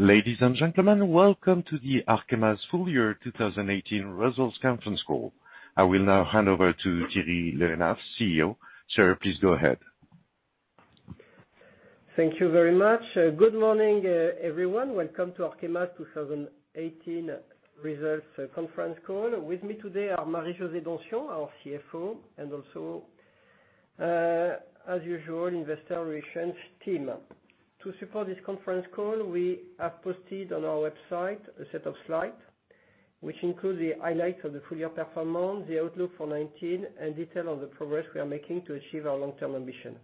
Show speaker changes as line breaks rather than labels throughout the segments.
Ladies and gentlemen, welcome to the Arkema's Full Year 2018 Results Conference Call. I will now hand over to Thierry Le Hénaff, CEO. Sir, please go ahead.
Thank you very much. Good morning, everyone. Welcome to Arkema's 2018 Results Conference Call. With me today are Marie-José Donsion, our CFO, and also, as usual, investor relations team. To support this conference call, we have posted on our website a set of slides which include the highlights of the full year performance, the outlook for 2019, and detail on the progress we are making to achieve our long-term ambition.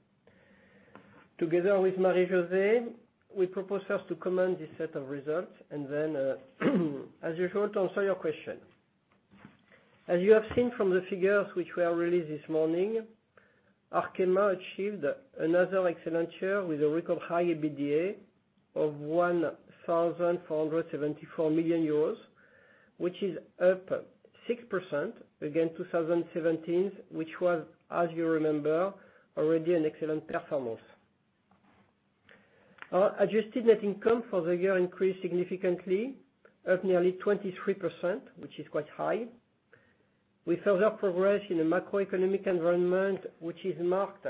Together with Marie-José, we propose first to comment this set of results and then, as usual, to answer your question. As you have seen from the figures, which were released this morning, Arkema achieved another excellent year with a record high EBITDA of 1,474 million euros, which is up 6% against 2017, which was, as you remember, already an excellent performance. Our adjusted net income for the year increased significantly, up nearly 23%, which is quite high. We further progress in the macroeconomic environment, which is marked,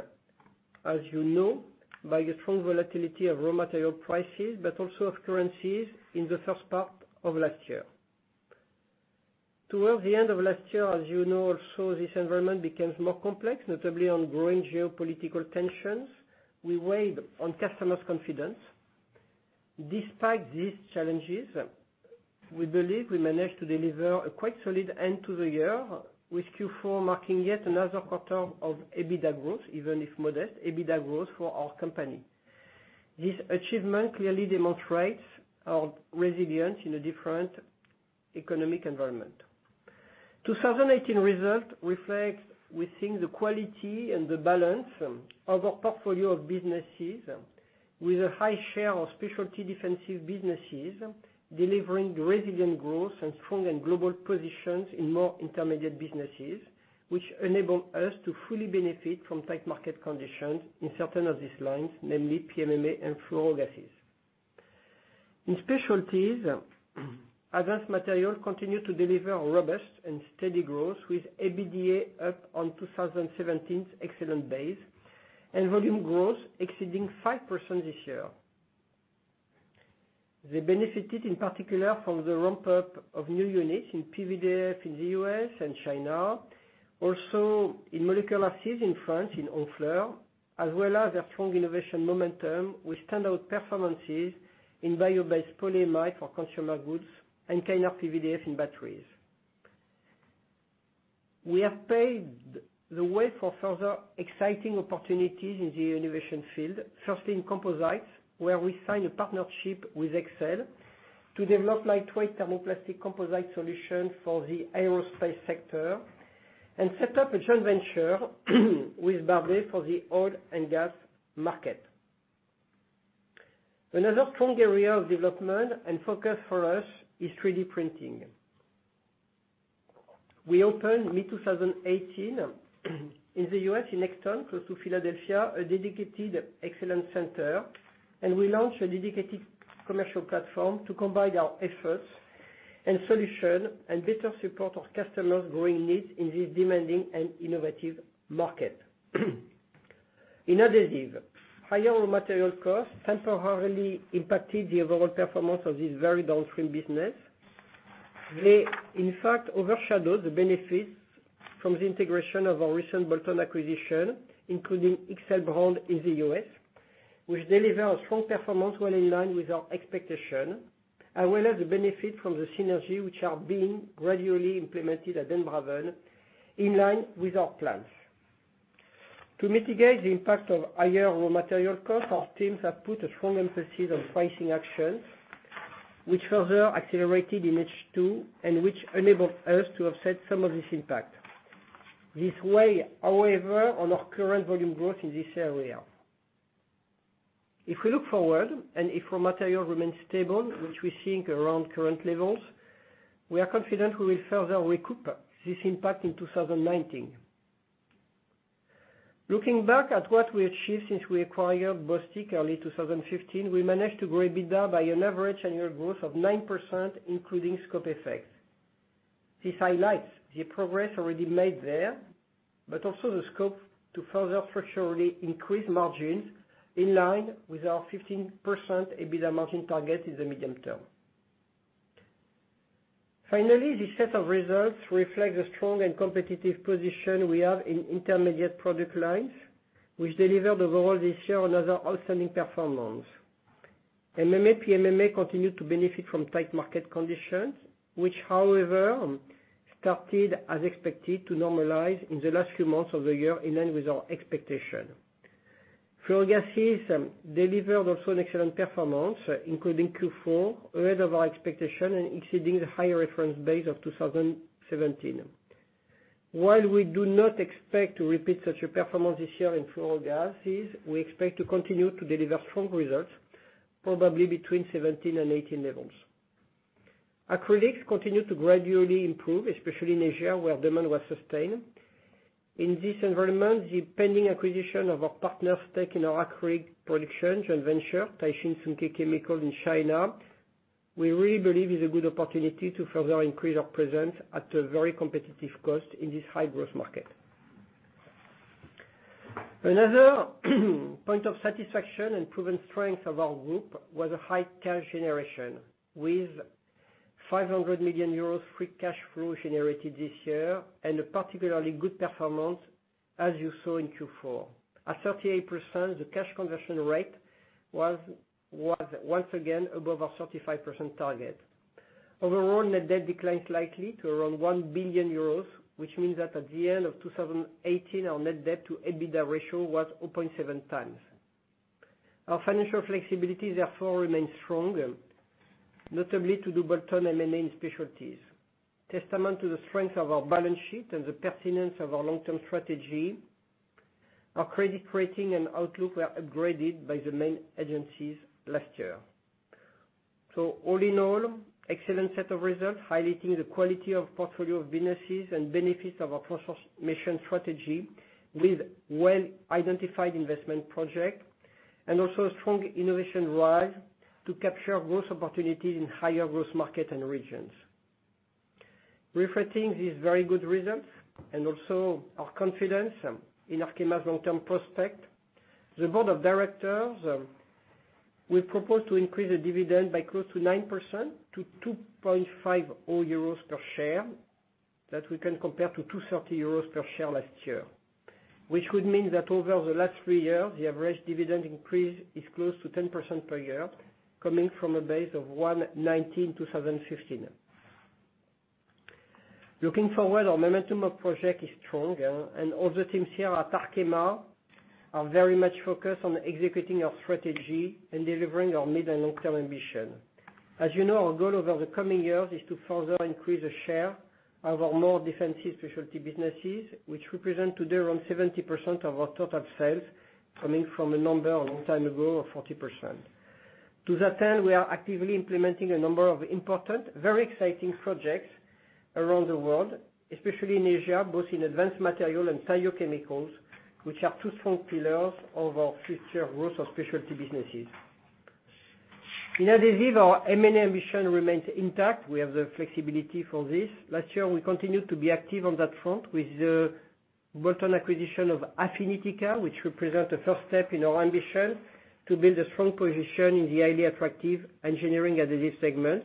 as you know, by the strong volatility of raw material prices, but also of currencies in the first part of last year. Towards the end of last year, as you know also, this environment becomes more complex, notably on growing geopolitical tensions. We weighed on customers' confidence. Despite these challenges, we believe we managed to deliver a quite solid end to the year with Q4 marking yet another quarter of EBITDA growth, even if modest EBITDA growth for our company. This achievement clearly demonstrates our resilience in a different economic environment. 2018 result reflects, we think, the quality and the balance of our portfolio of businesses with a high share of specialty defensive businesses, delivering resilient growth and strong and global positions in more intermediate businesses, which enable us to fully benefit from tight market conditions in certain of these lines, namely PMMA and fluorogases. In specialties, Advanced Materials continued to deliver a robust and steady growth with EBITDA up on 2017's excellent base and volume growth exceeding 5% this year. They benefited in particular from the ramp-up of new units in PVDF in the U.S. and China, also in molecular sieves in France, in Honfleur, as well as their strong innovation momentum with standout performances in bio-based polyamide for consumer goods and Kynar PVDF in batteries. We have paved the way for further exciting opportunities in the innovation field, firstly in composites, where we signed a partnership with Hexcel to develop lightweight thermoplastic composite solutions for the aerospace sector and set up a joint venture with Barrday for the oil and gas market. Another strong area of development and focus for us is 3D printing. We opened mid-2018 in the U.S. in Exton, close to Philadelphia, a dedicated excellence center, and we launched a dedicated commercial platform to combine our efforts and solution and better support our customers' growing needs in this demanding and innovative market. In adhesive, higher raw material costs temporarily impacted the overall performance of this very downstream business. They, in fact, overshadow the benefits from the integration of our recent bolt-on acquisition, including XL Brands in the U.S., which delivered a strong performance well in line with our expectation, as well as the benefit from the synergy which are being gradually implemented at Den Braven, in line with our plans. To mitigate the impact of higher raw material costs, our teams have put a strong emphasis on pricing actions, which further accelerated in H2 and which enabled us to offset some of this impact. This weigh, however, on our current volume growth in this area. If we look forward and if raw material remains stable, which we think around current levels, we are confident we will further recoup this impact in 2019. Looking back at what we achieved since we acquired Bostik early 2015, we managed to grow EBITDA by an average annual growth of 9%, including scope effects. This highlights the progress already made there, but also the scope to further structurally increase margins in line with our 15% EBITDA margin target in the medium term. This set of results reflect the strong and competitive position we have in intermediate product lines, which delivered overall this year another outstanding performance. MMA PMMA continued to benefit from tight market conditions, which, however, started as expected to normalize in the last few months of the year, in line with our expectation. Fluorogases delivered also an excellent performance, including Q4, ahead of our expectation and exceeding the higher reference base of 2017. While we do not expect to repeat such a performance this year in Fluorogases, we expect to continue to deliver strong results, probably between 2017 and 2018 levels. Acrylics continued to gradually improve, especially in Asia, where demand was sustained. In this environment, the pending acquisition of our partner stake in our acrylic production joint venture, Taixing Sunke Chemicals in China, we really believe is a good opportunity to further increase our presence at a very competitive cost in this high-growth market. Another point of satisfaction and proven strength of our group was a high cash generation, with 500 million euros free cash flow generated this year and a particularly good performance, as you saw in Q4. At 38%, the cash conversion rate was once again above our 35% target. Overall, net debt declined slightly to around 1 billion euros, which means that at the end of 2018, our net debt to EBITDA ratio was 0.7 times. Our financial flexibility, therefore, remains strong, notably to do bolt-on M&A Specialties. Testament to the strength of our balance sheet and the pertinence of our long-term strategy, our credit rating and outlook were upgraded by the main agencies last year. All in all, excellent set of results highlighting the quality of portfolio of businesses and benefits of our transformation strategy with well-identified investment project and also a strong innovation drive to capture growth opportunities in higher growth market and regions. Reflecting these very good results and also our confidence in Arkema's long-term prospect, the board of directors will propose to increase the dividend by close to 9% to 2.50 euros per share, that we can compare to 2.30 euros per share last year. Which would mean that over the last three years, the average dividend increase is close to 10% per year, coming from a base of 1.19 2015. Looking forward, our momentum of project is strong, and all the teams here at Arkema are very much focused on executing our strategy and delivering our mid and long-term ambition. As you know, our goal over the coming years is to further increase the share of our more defensive specialty businesses, which represent today around 70% of our total sales, coming from a number a long time ago of 40%. To that end, we are actively implementing a number of important, very exciting projects around the world, especially in Asia, both in Advanced Materials and bio chemicals, which are two strong pillars of our future growth of specialty businesses. In adhesive, our M&A mission remains intact. We have the flexibility for this. Last year, we continued to be active on that front with the bolt-on acquisition of Afinitica, which represent a first step in our ambition to build a strong position in the highly attractive engineering adhesive segment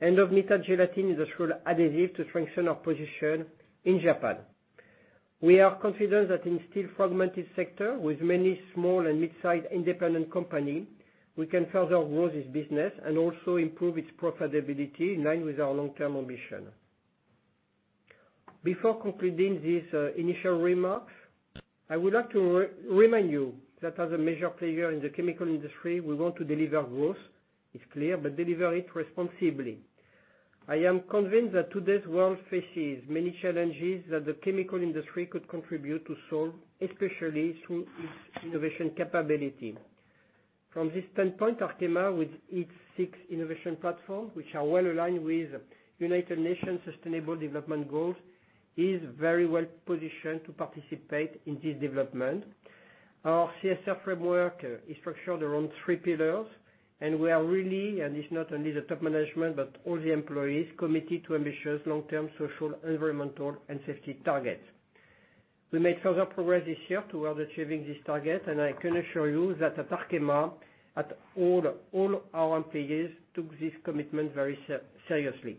and of Nitta-Gelatin's industrial adhesives business to strengthen our position in Japan. We are confident that in still fragmented sector with many small and mid-sized independent company, we can further grow this business and also improve its profitability in line with our long-term ambition. Before concluding these initial remarks, I would like to remind you that as a major player in the chemical industry, we want to deliver growth, it's clear, but deliver it responsibly. I am convinced that today's world faces many challenges that the chemical industry could contribute to solve, especially through its innovation capability. From this standpoint, Arkema, with its six innovation platform, which are well-aligned with United Nations Sustainable Development Goals, is very well-positioned to participate in this development. Our CSR framework is structured around three pillars, and we are really, and it's not only the top management, but all the employees, committed to ambitious long-term social, environmental, and safety targets. We made further progress this year toward achieving this target, and I can assure you that at Arkema, all our employees took this commitment very seriously.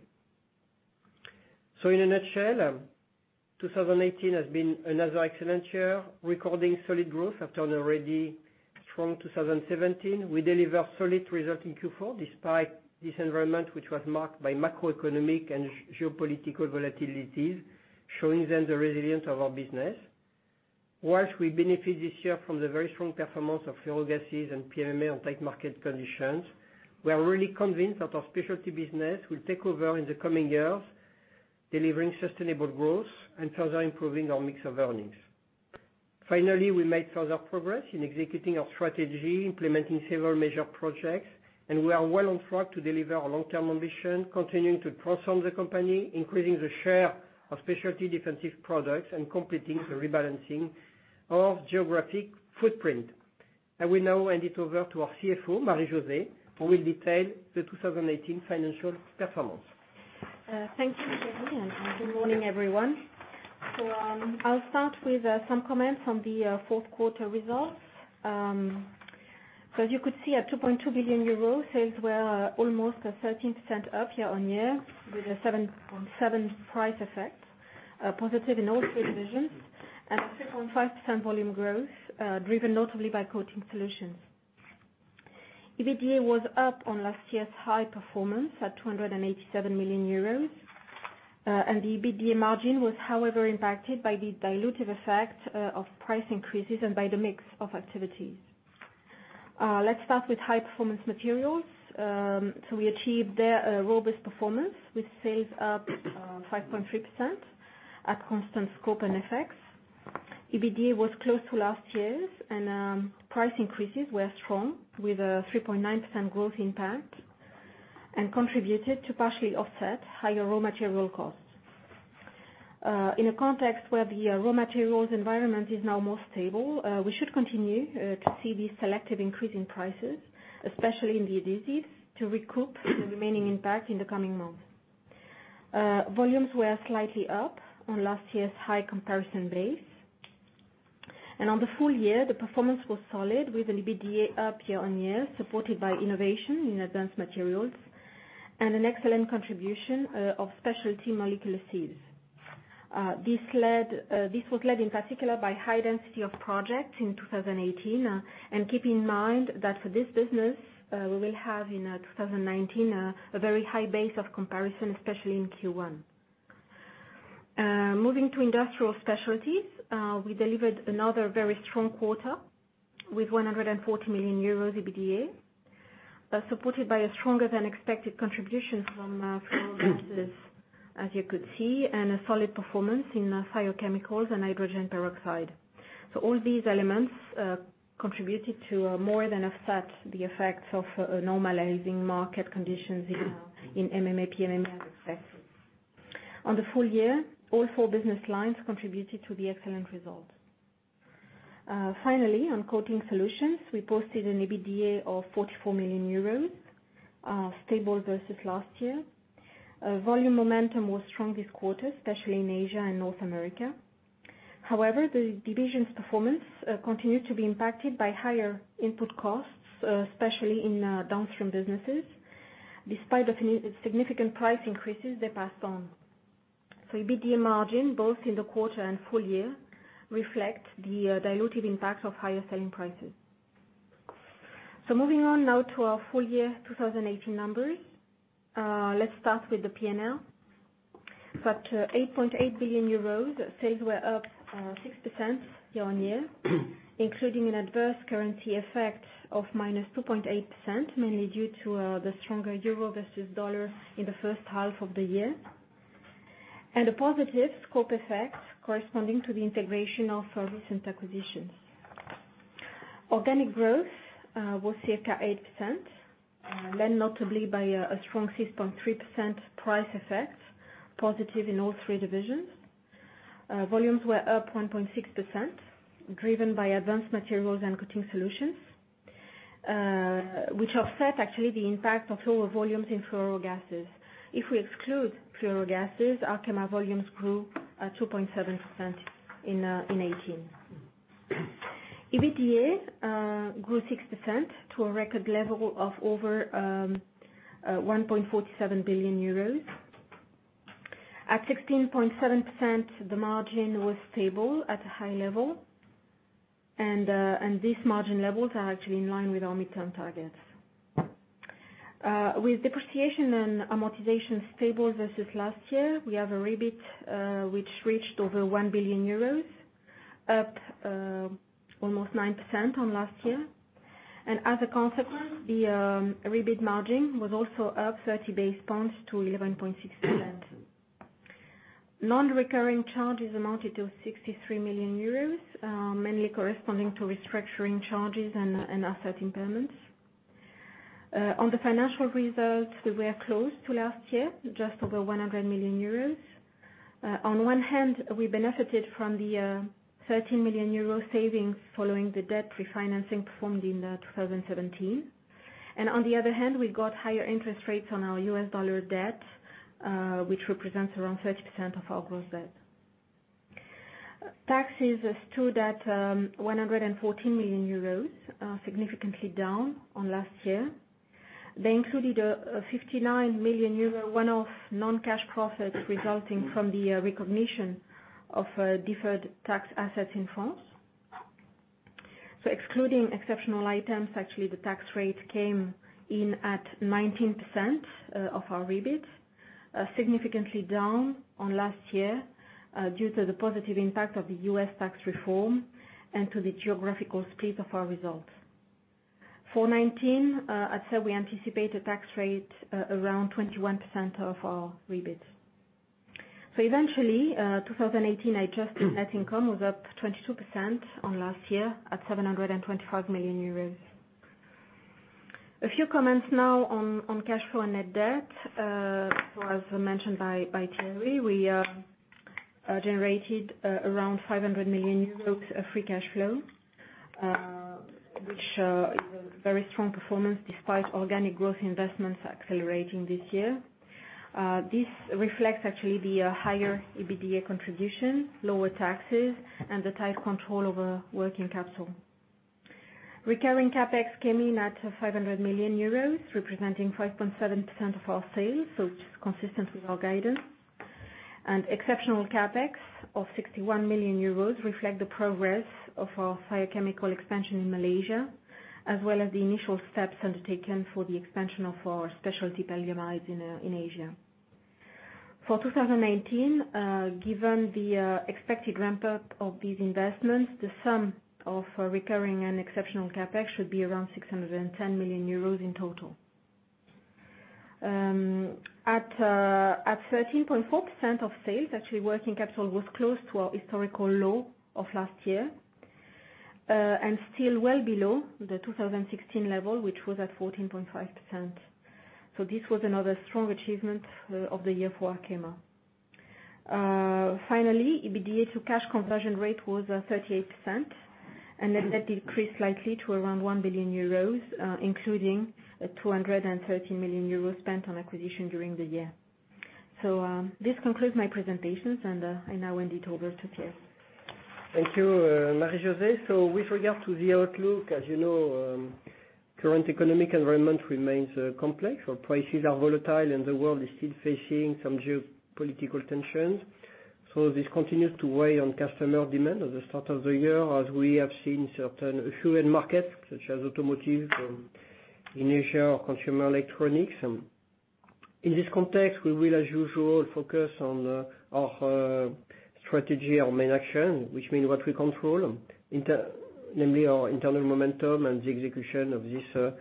In a nutshell, 2018 has been another excellent year, recording solid growth after an already strong 2017. We deliver solid result in Q4, despite this environment, which was marked by macroeconomic and geopolitical volatilities, showing then the resilience of our business. Whilst we benefit this year from the very strong performance of Fluorogases and PMMA on tight market conditions, we are really convinced that our specialty business will take over in the coming years, delivering sustainable growth and further improving our mix of earnings. Finally, we made further progress in executing our strategy, implementing several major projects, and we are well on track to deliver our long-term ambition, continuing to transform the company, increasing the share of specialty defensive products, and completing the rebalancing of geographic footprint. I will now hand it over to our CFO, Marie-José, who will detail the 2018 financial performance.
Thank you, Thierry, and good morning, everyone. I'll start with some comments on the fourth quarter results. As you could see, at 2.2 billion euros, sales were almost 13% up year-on-year, with a 7.7% price effect, positive in all three divisions and a 6.5% volume growth, driven notably by Coating Solutions. EBITDA was up on last year's high performance at 287 million euros. The EBITDA margin was however impacted by the dilutive effect of price increases and by the mix of activities. Let's start with High Performance Materials. We achieved there a robust performance with sales up 5.3% at constant scope and FX. EBITDA was close to last year's, and price increases were strong with a 3.9% growth impact, contributed to partially offset higher raw material costs. In a context where the raw materials environment is now more stable, we should continue to see these selective increase in prices, especially in the adhesives, to recoup the remaining impact in the coming months. Volumes were slightly up on last year's high comparison base. On the full year, the performance was solid, with an EBITDA up year-on-year, supported by innovation in Advanced Materials, and an excellent contribution of specialty molecular sieves. This was led in particular by high density of project in 2018. Keep in mind that for this business, we will have in 2019, a very high base of comparison, especially in Q1. Moving to Industrial Specialties. We delivered another very strong quarter with 140 million euros EBITDA, supported by a stronger than expected contribution from Fluorogases, as you could see, and a solid performance in biochemicals and hydrogen peroxide. All these elements contributed to more than offset the effects of normalizing market conditions in MMA/PMMA effect. On the full year, all four business lines contributed to the excellent results. Finally, on Coating Solutions, we posted an EBITDA of 44 million euros, stable versus last year. Volume momentum was strong this quarter, especially in Asia and North America. However, the division's performance continued to be impacted by higher input costs, especially in downstream businesses, despite significant price increases they passed on. EBITDA margin, both in the quarter and full year, reflect the dilutive impact of higher selling prices. Moving on now to our full year 2018 numbers. Let's start with the P&L. At 8.8 billion euros, sales were up 6% year-over-year, including an adverse currency effect of -2.8%, mainly due to the stronger euro versus U.S. dollar in the first half of the year, and a positive scope effect corresponding to the integration of services and acquisitions. Organic growth was circa 8%, led notably by a strong 6.3% price effect, positive in all three divisions. Volumes were up 1.6%, driven by Advanced Materials and Coating Solutions, which offset actually the impact of lower volumes in Fluorogases. If we exclude Fluorogases, Arkema volumes grew at 2.7% in 2018. EBITDA grew 6% to a record level of over 1.47 billion euros. At 16.7%, the margin was stable at a high level, and these margin levels are actually in line with our mid-term targets. With depreciation and amortization stable versus last year, we have a REBIT, which reached over 1 billion euros, up almost 9% on last year. As a consequence, the REBIT margin was also up 30 basis points to 11.6%. Non-recurring charges amounted to 63 million euros, mainly corresponding to restructuring charges and asset impairments. On the financial results, we were close to last year, just over 100 million euros. On one hand, we benefited from the 30 million euro savings following the debt refinancing performed in 2017. On the other hand, we got higher interest rates on our U.S. dollar debt, which represents around 30% of our gross debt. Taxes stood at 114 million euros, significantly down on last year. They included a 59 million euro one-off non-cash profit resulting from the recognition of deferred tax assets in France. Excluding exceptional items, actually the tax rate came in at 19% of our REBIT, significantly down on last year, due to the positive impact of the U.S. tax reform and to the geographical split of our results. For 2019, I'd say we anticipate a tax rate around 21% of our REBIT. Eventually, 2018 adjusted net income was up 22% on last year at 725 million euros. A few comments now on cash flow and net debt. As mentioned by Thierry, we generated around 500 million euros of free cash flow, which is a very strong performance despite organic growth investments accelerating this year. This reflects actually the higher EBITDA contribution, lower taxes, and the tight control over working capital. Recurring CapEx came in at 500 million euros, representing 5.7% of our sales, it's consistent with our guidance. Exceptional CapEx of 61 million euros reflect the progress of our biochemical expansion in Malaysia, as well as the initial steps undertaken for the expansion of our specialty polyamides in Asia. For 2019, given the expected ramp-up of these investments, the sum of recurring and exceptional CapEx should be around 610 million euros in total. At 13.4% of sales, actually working capital was close to our historical low of last year, and still well below the 2016 level, which was at 14.5%. This was another strong achievement of the year for Arkema. Finally, EBITDA to cash conversion rate was 38%, that decreased slightly to around 1 billion euros, including a 230 million euros spent on acquisition during the year. This concludes my presentations and I now hand it over to Pierre.
Thank you, Marie-José. With regard to the outlook, as you know, current economic environment remains complex, our prices are volatile, and the world is still facing some geopolitical tensions. This continues to weigh on customer demand at the start of the year, as we have seen certain fluid markets, such as automotive in Asia or consumer electronics. In this context, we will, as usual, focus on our strategy, our main action, which means what we control, namely our internal momentum and the execution of this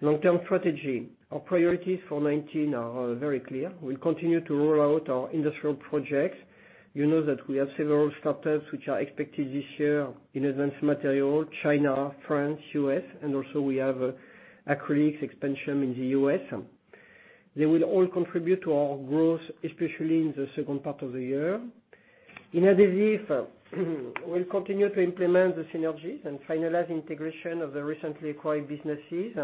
long-term strategy. Our priorities for 2019 are very clear. We will continue to roll out our industrial projects. You know that we have several startups which are expected this year in Advanced Materials, China, France, U.S., and also we have acrylics expansion in the U.S. They will all contribute to our growth, especially in the second part of the year. In adhesives, we will continue to implement the synergies and finalize integration of the recently acquired businesses.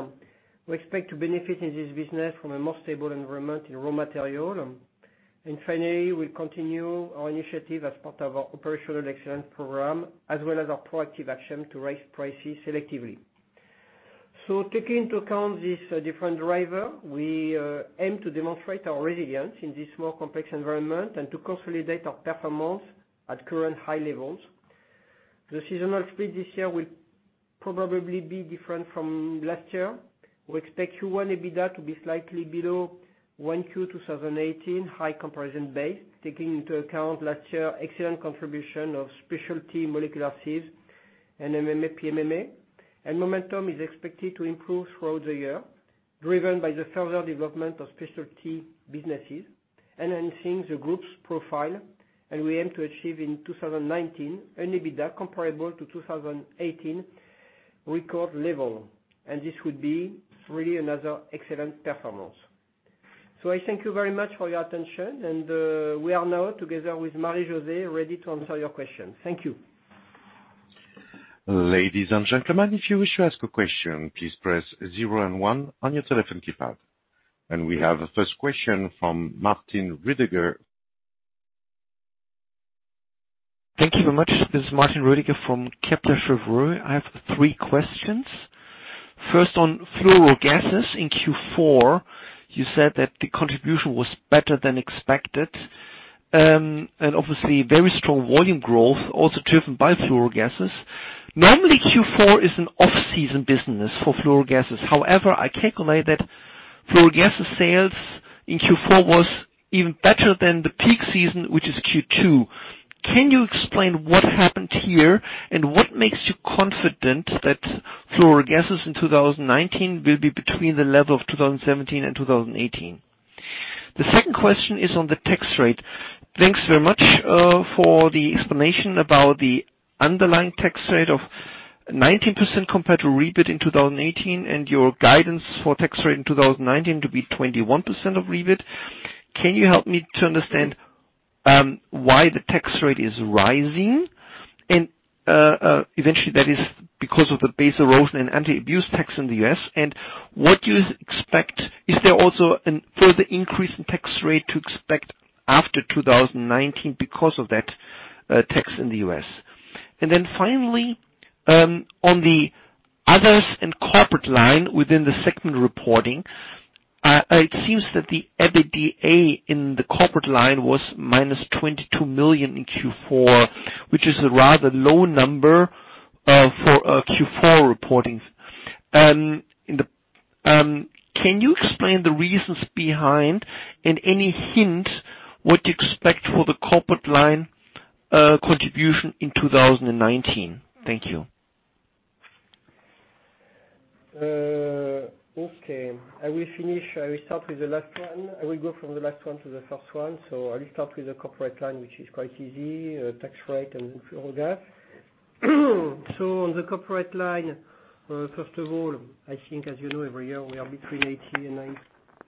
We expect to benefit in this business from a more stable environment in raw materials. Finally, we will continue our initiative as part of our operational excellence program, as well as our proactive action to raise prices selectively. Taking into account this different driver, we aim to demonstrate our resilience in this more complex environment and to consolidate our performance at current high levels. The seasonal split this year will probably be different from last year. We expect Q1 EBITDA to be slightly below 1Q 2018 high comparison base, taking into account last year's excellent contribution of specialty molecular sieves and MMA PMMA. Momentum is expected to improve throughout the year, driven by the further development of specialty businesses, enhancing the group's profile. We aim to achieve in 2019 an EBITDA comparable to 2018 record level. This would be really another excellent performance. I thank you very much for your attention and, we are now together with Marie-José, ready to answer your questions. Thank you.
Ladies and gentlemen, if you wish to ask a question, please press 0 and 1 on your telephone keypad. We have a first question from Martin Roediger.
Thank you very much. This is Martin Roediger from Kepler Cheuvreux. I have three questions. First, on fluorogases. In Q4, you said that the contribution was better than expected, and obviously very strong volume growth also driven by fluorogases. Normally, Q4 is an off-season business for fluorogases. However, I calculate that fluorogases sales in Q4 was even better than the peak season, which is Q2. Can you explain what happened here and what makes you confident that fluorogases in 2019 will be between the level of 2017 and 2018? The second question is on the tax rate. Thanks very much for the explanation about the underlying tax rate of 19% compared to REBIT in 2018 and your guidance for tax rate in 2019 to be 21% of REBIT. Can you help me to understand why the tax rate is rising? Eventually that is because of the Base Erosion and Anti-Abuse Tax in the U.S. What you expect, is there also a further increase in tax rate to expect after 2019 because of that tax in the U.S.? Finally, on the others and corporate line within the segment reporting, it seems that the EBITDA in the corporate line was -22 million in Q4, which is a rather low number for Q4 reportings. Can you explain the reasons behind and any hint what you expect for the corporate line contribution in 2019? Thank you.
I will start with the last one. I will go from the last one to the first one. I will start with the corporate line, which is quite easy, tax rate and fluorogases. On the corporate line, first of all, I think as you know every year we are between 80 and 90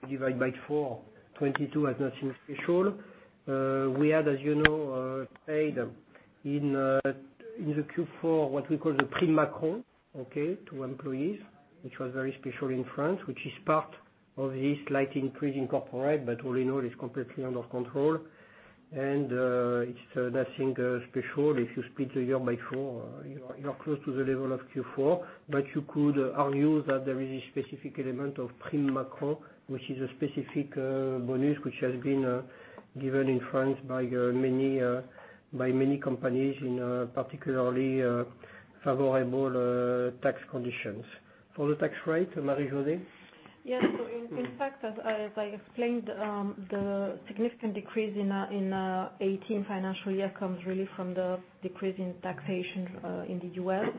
divide by four, 22 is nothing special. We had, as you know, paid in the Q4 what we call the prime Macron to employees, which was very special in France, which is part of this slight increase in corporate, but all in all it's completely under control. It's nothing special. If you split the year by four, you are close to the level of Q4, but you could argue that there is a specific element of prime Macron, which is a specific bonus which has been given in France by many companies in particularly favorable tax conditions. For the tax rate, Marie-José?
Yes. In fact, as I explained, the significant decrease in 2018 financial year comes really from the decrease in taxation in the U.S.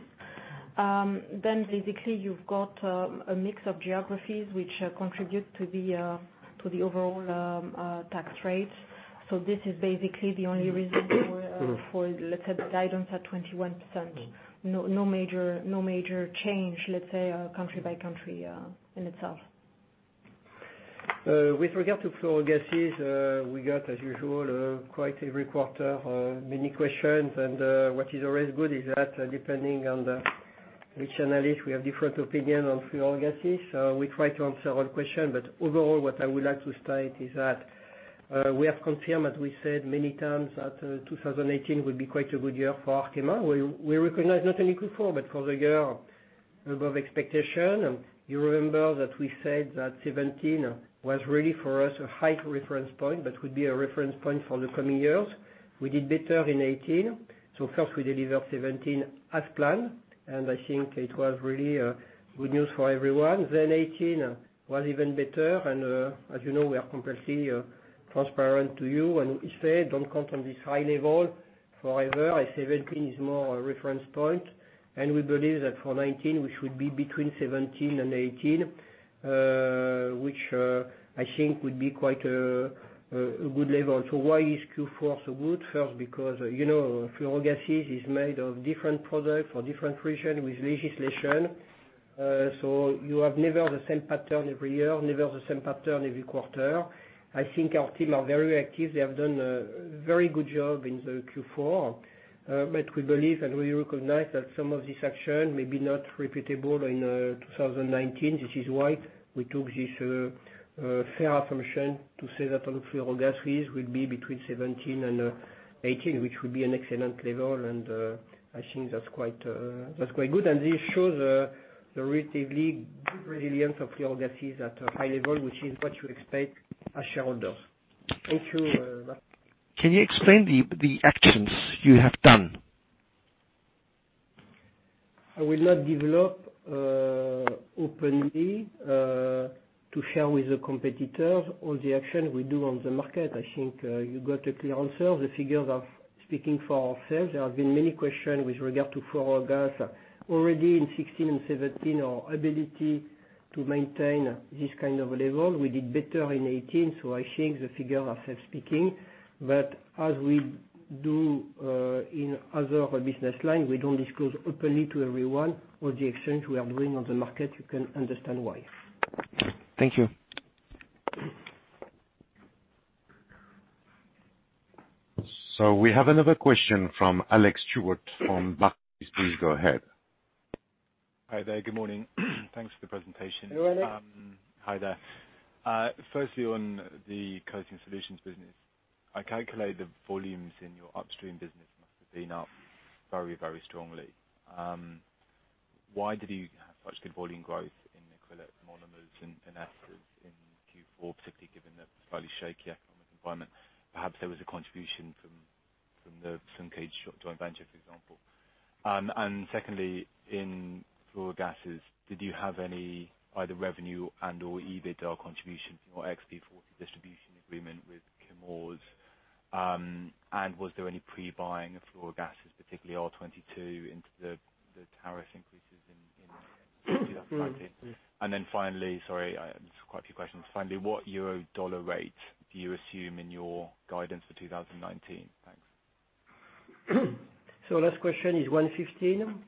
Basically you've got a mix of geographies which contribute to the overall tax rates. This is basically the only reason for, let's say, the guidance at 21%. No major change, let's say, country by country in itself.
With regard to Fluorogases, we got, as usual, quite every quarter, many questions. What is always good is that depending on which analyst, we have different opinion on Fluorogases. We try to answer all questions. Overall, what I would like to state is that we have confirmed, as we said many times, that 2018 will be quite a good year for Arkema. We recognize not only Q4, but for the year above expectation. You remember that we said that 2017 was really, for us, a high reference point, that would be a reference point for the coming years. We did better in 2018. First we delivered 2017 as planned, I think it was really good news for everyone. 2018 was even better. As you know, we are completely transparent to you and we say, don't count on this high level forever. 2017 is more a reference point, we believe that for 2019 we should be between 2017 and 2018, which I think would be quite a good level. Why is Q4 so good? First, because Fluorogases is made of different products for different region with legislation. You have never the same pattern every year, never the same pattern every quarter. I think our team are very active. They have done a very good job in the Q4. We believe, we recognize that some of this action may be not repeatable in 2019. This is why we took this fair assumption to say that on Fluorogases we'd be between 2017 and 2018, which would be an excellent level. I think that's quite good. This shows the relatively good resilience of Fluorogases at a high level, which is what you expect as shareholders. Thank you.
Can you explain the actions you have done?
I will not develop openly to share with the competitors all the action we do on the market. I think you got a clear answer. The figures are speaking for ourselves. There have been many questions with regard to fluorogas. Already in 2016 and 2017, our ability to maintain this kind of level. We did better in 2018, I think the figures are self-speaking, but as we do in other business line, we don't disclose openly to everyone all the exchange we are doing on the market. You can understand why.
Thank you.
We have another question from Alex Stewart on Barclays. Please go ahead.
Hi there. Good morning. Thanks for the presentation.
Hello.
Hi there. Firstly, on the Coating Solutions business, I calculate the volumes in your upstream business must have been up very strongly. Why did you have such good volume growth in acrylic monomers and esters in Q4, particularly given the slightly shaky economic environment? Perhaps there was a contribution from the Sunke joint venture, for example. Secondly, in fluorogases, did you have any either revenue and/or EBITDA contribution from your SB40 distribution agreement with Chemours? Was there any pre-buying of fluorogases, particularly R-22, into the tariff increases in 2019?
Yes.
Finally, sorry, it's quite a few questions. Finally, what euro-dollar rate do you assume in your guidance for 2019? Thanks.
Last question is 115.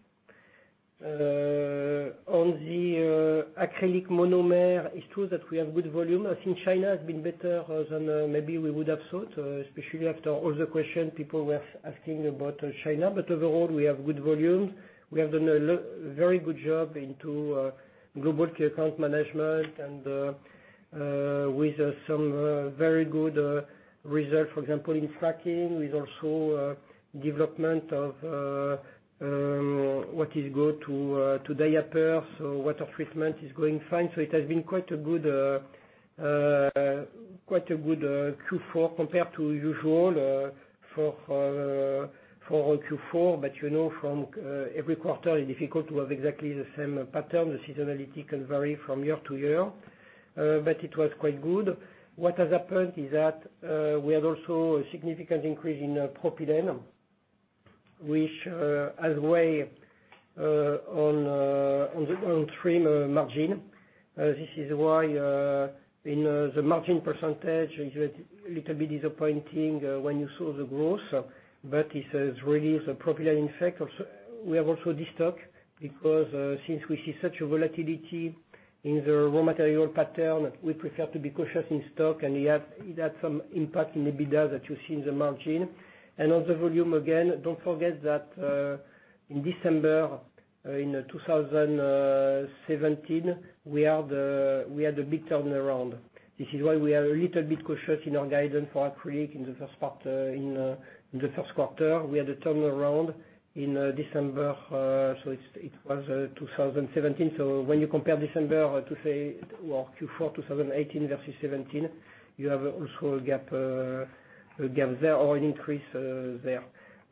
On the acrylic monomer, it's true that we have good volume. I think China has been better than maybe we would have thought, especially after all the question people were asking about China. Overall, we have good volume. We have done a very good job into global key account management and with some very good results. For example, in fracking, with also development of what is good to day appear. Water treatment is going fine. It has been quite a good Q4 compared to usual for Q4. But you know from every quarter, it's difficult to have exactly the same pattern. The seasonality can vary from year to year. But it was quite good. What has happened is that we had also a significant increase in propylene, which has weigh on trim margin. This is why in the margin percentage is a little bit disappointing when you saw the growth. But it has really is a propylene effect. We have also de-stock because since we see such a volatility in the raw material pattern, we prefer to be cautious in stock. It had some impact in EBITDA that you see in the margin. On the volume, again, don't forget that in December in 2017, we had a big turnaround. This is why we are a little bit cautious in our guidance for acrylic in the first quarter. We had a turnaround in December, so it was 2017. When you compare December to, say, or Q4 2018 versus 2017, you have also a gap there or an increase there.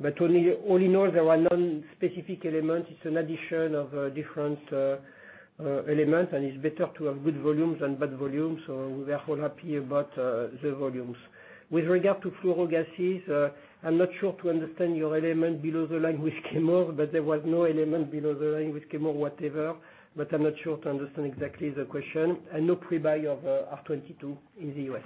But all in all, there were no specific elements. It's an addition of different elements, and it's better to have good volumes than bad volumes. We are all happy about the volumes. With regard to Fluorogases, I'm not sure to understand your element below the line with Chemours, but there was no element below the line with Chemours whatever. I'm not sure to understand exactly the question. No pre-buy of R-22 in the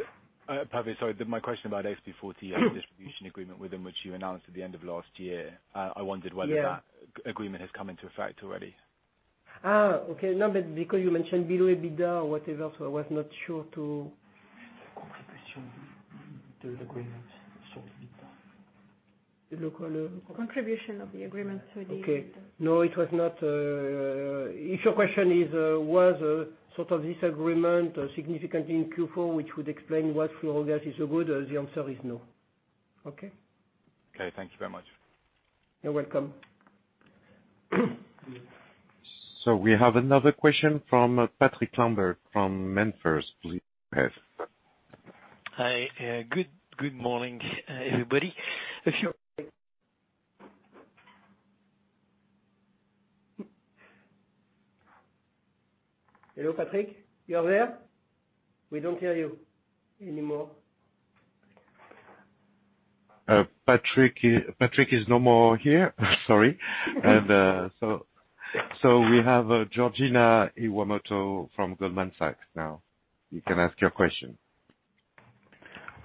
U.S.
Sorry, my question about SB40 distribution agreement with them, which you announced at the end of last year. I wondered whether
Yeah
that agreement has come into effect already.
Okay. No, because you mentioned below EBITDA or whatever, I was not sure to understand on the agreement. Sorry, repeat that. The local
Contribution of the agreement to the EBITDA.
Okay. No, it was not. If your question is, was sort of this agreement significant in Q4, which would explain why fluorogases are so good, the answer is no. Okay? Okay, thank you very much. You're welcome.
We have another question from Patrick Lambert from MainFirst. Please, go ahead.
Hi. Good morning, everybody.
Hello, Patrick, you are there? We don't hear you anymore.
Patrick is no more here, sorry. We have Georgina Iwamoto from Goldman Sachs now. You can ask your question.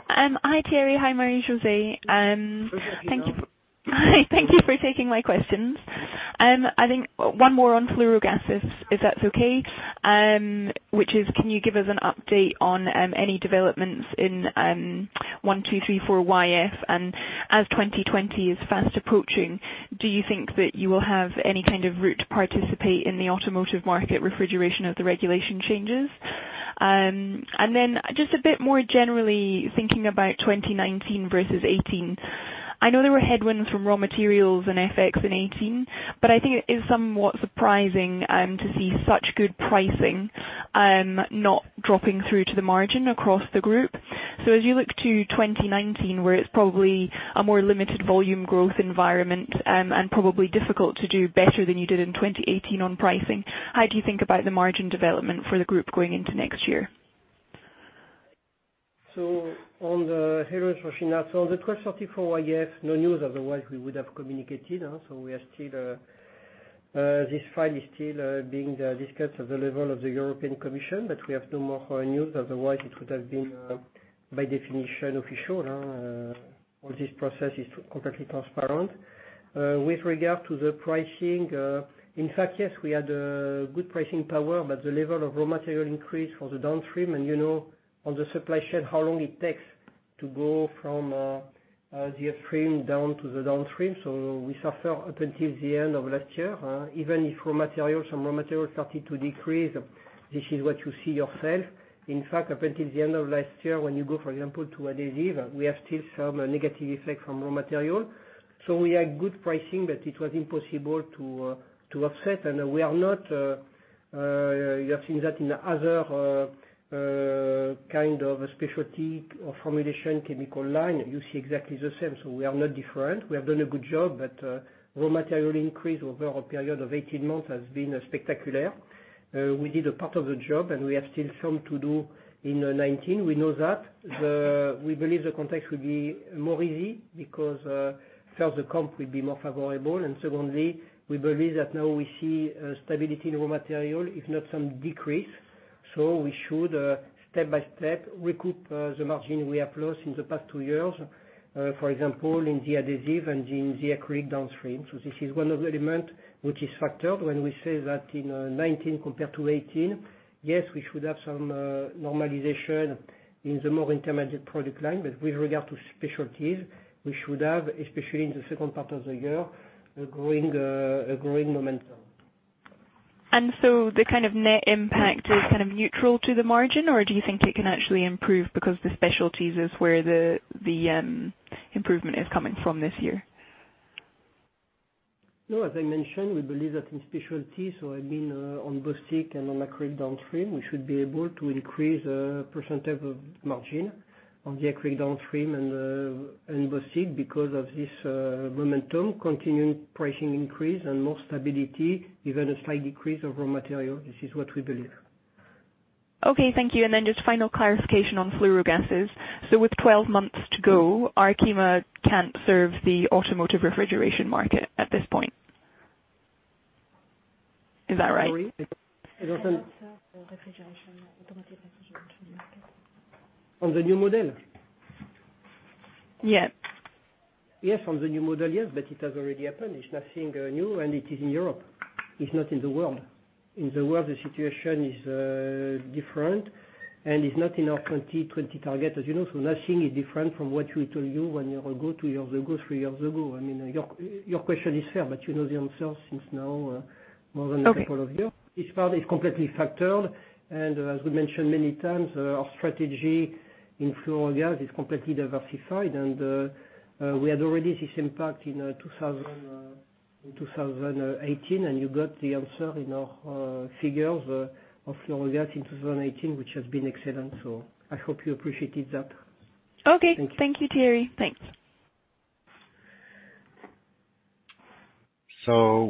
Hi, Thierry. Hi, Marie-José.
Hi, Georgina.
Hi. Thank you for taking my questions. I think one more on fluorogases, if that's okay? Which is, can you give us an update on any developments in 1234yf, as 2020 is fast approaching, do you think that you will have any kind of route to participate in the automotive market refrigeration as the regulation changes? Just a bit more generally thinking about 2019 versus 2018. I know there were headwinds from raw materials and FX in 2018, I think it is somewhat surprising, to see such good pricing, not dropping through to the margin across the group. As you look to 2019, where it's probably a more limited volume growth environment, and probably difficult to do better than you did in 2018 on pricing, how do you think about the margin development for the group going into next year?
Hello, Georgina. On the 1234yf, yes, no news, otherwise we would have communicated. This file is still being discussed at the level of the European Commission, we have no more news. Otherwise, it would have been, by definition, official. All this process is completely transparent. With regard to the pricing, in fact, yes, we had a good pricing power, the level of raw material increase for the downstream and you know, on the supply chain, how long it takes to go from the upstream down to the downstream. We suffer up until the end of last year. Even if raw materials started to decrease, this is what you see yourself. In fact, up until the end of last year, when you go, for example, to adhesive, we have still some negative effect from raw material. We had good pricing, it was impossible to offset and we have seen that in other kind of specialty or formulation chemical line, you see exactly the same. We are not different. We have done a good job, raw material increase over a period of 18 months has been spectacular. We did a part of the job, we have still some to do in 2019, we know that. We believe the context will be more easy because, first, the comp will be more favorable, secondly, we believe that now we see stability in raw material, if not some decrease. We should, step by step, recoup the margin we have lost in the past two years. For example, in the adhesive and in the acrylic downstream. This is one of the element which is factored when we say that in 2019 compared to 2018, yes, we should have some normalization in the more intermediate product line. With regard to specialties, we should have, especially in the second part of the year, a growing momentum.
The net impact is neutral to the margin, or do you think it can actually improve because the specialties is where the improvement is coming from this year?
As I mentioned, we believe that in specialties, so I mean, on Bostik and on acrylic downstream, we should be able to increase percentage of margin on the acrylic downstream and Bostik because of this momentum, continuing pricing increase and more stability, even a slight decrease of raw material. This is what we believe.
Okay, thank you. Just final clarification on fluorogases. With 12 months to go, Arkema can't serve the automotive refrigeration market at this point. Is that right?
Sorry?
They can't serve the automotive refrigeration market.
On the new model?
Yes.
Yes, on the new model, yes, but it has already happened. It's nothing new, and it is in Europe. It's not in the world. In the world, the situation is different and is not in our 2020 target, as you know. Nothing is different from what we told you one year ago, two years ago, three years ago. Your question is fair, but you know the answer since now more than a couple of years.
Okay.
This part is completely factored, and as we mentioned many times, our strategy in fluorogas is completely diversified, and we had already this impact in 2018, and you got the answer in our figures of fluorogas in 2018, which has been excellent. I hope you appreciated that.
Okay. Thank you, Thierry. Thanks.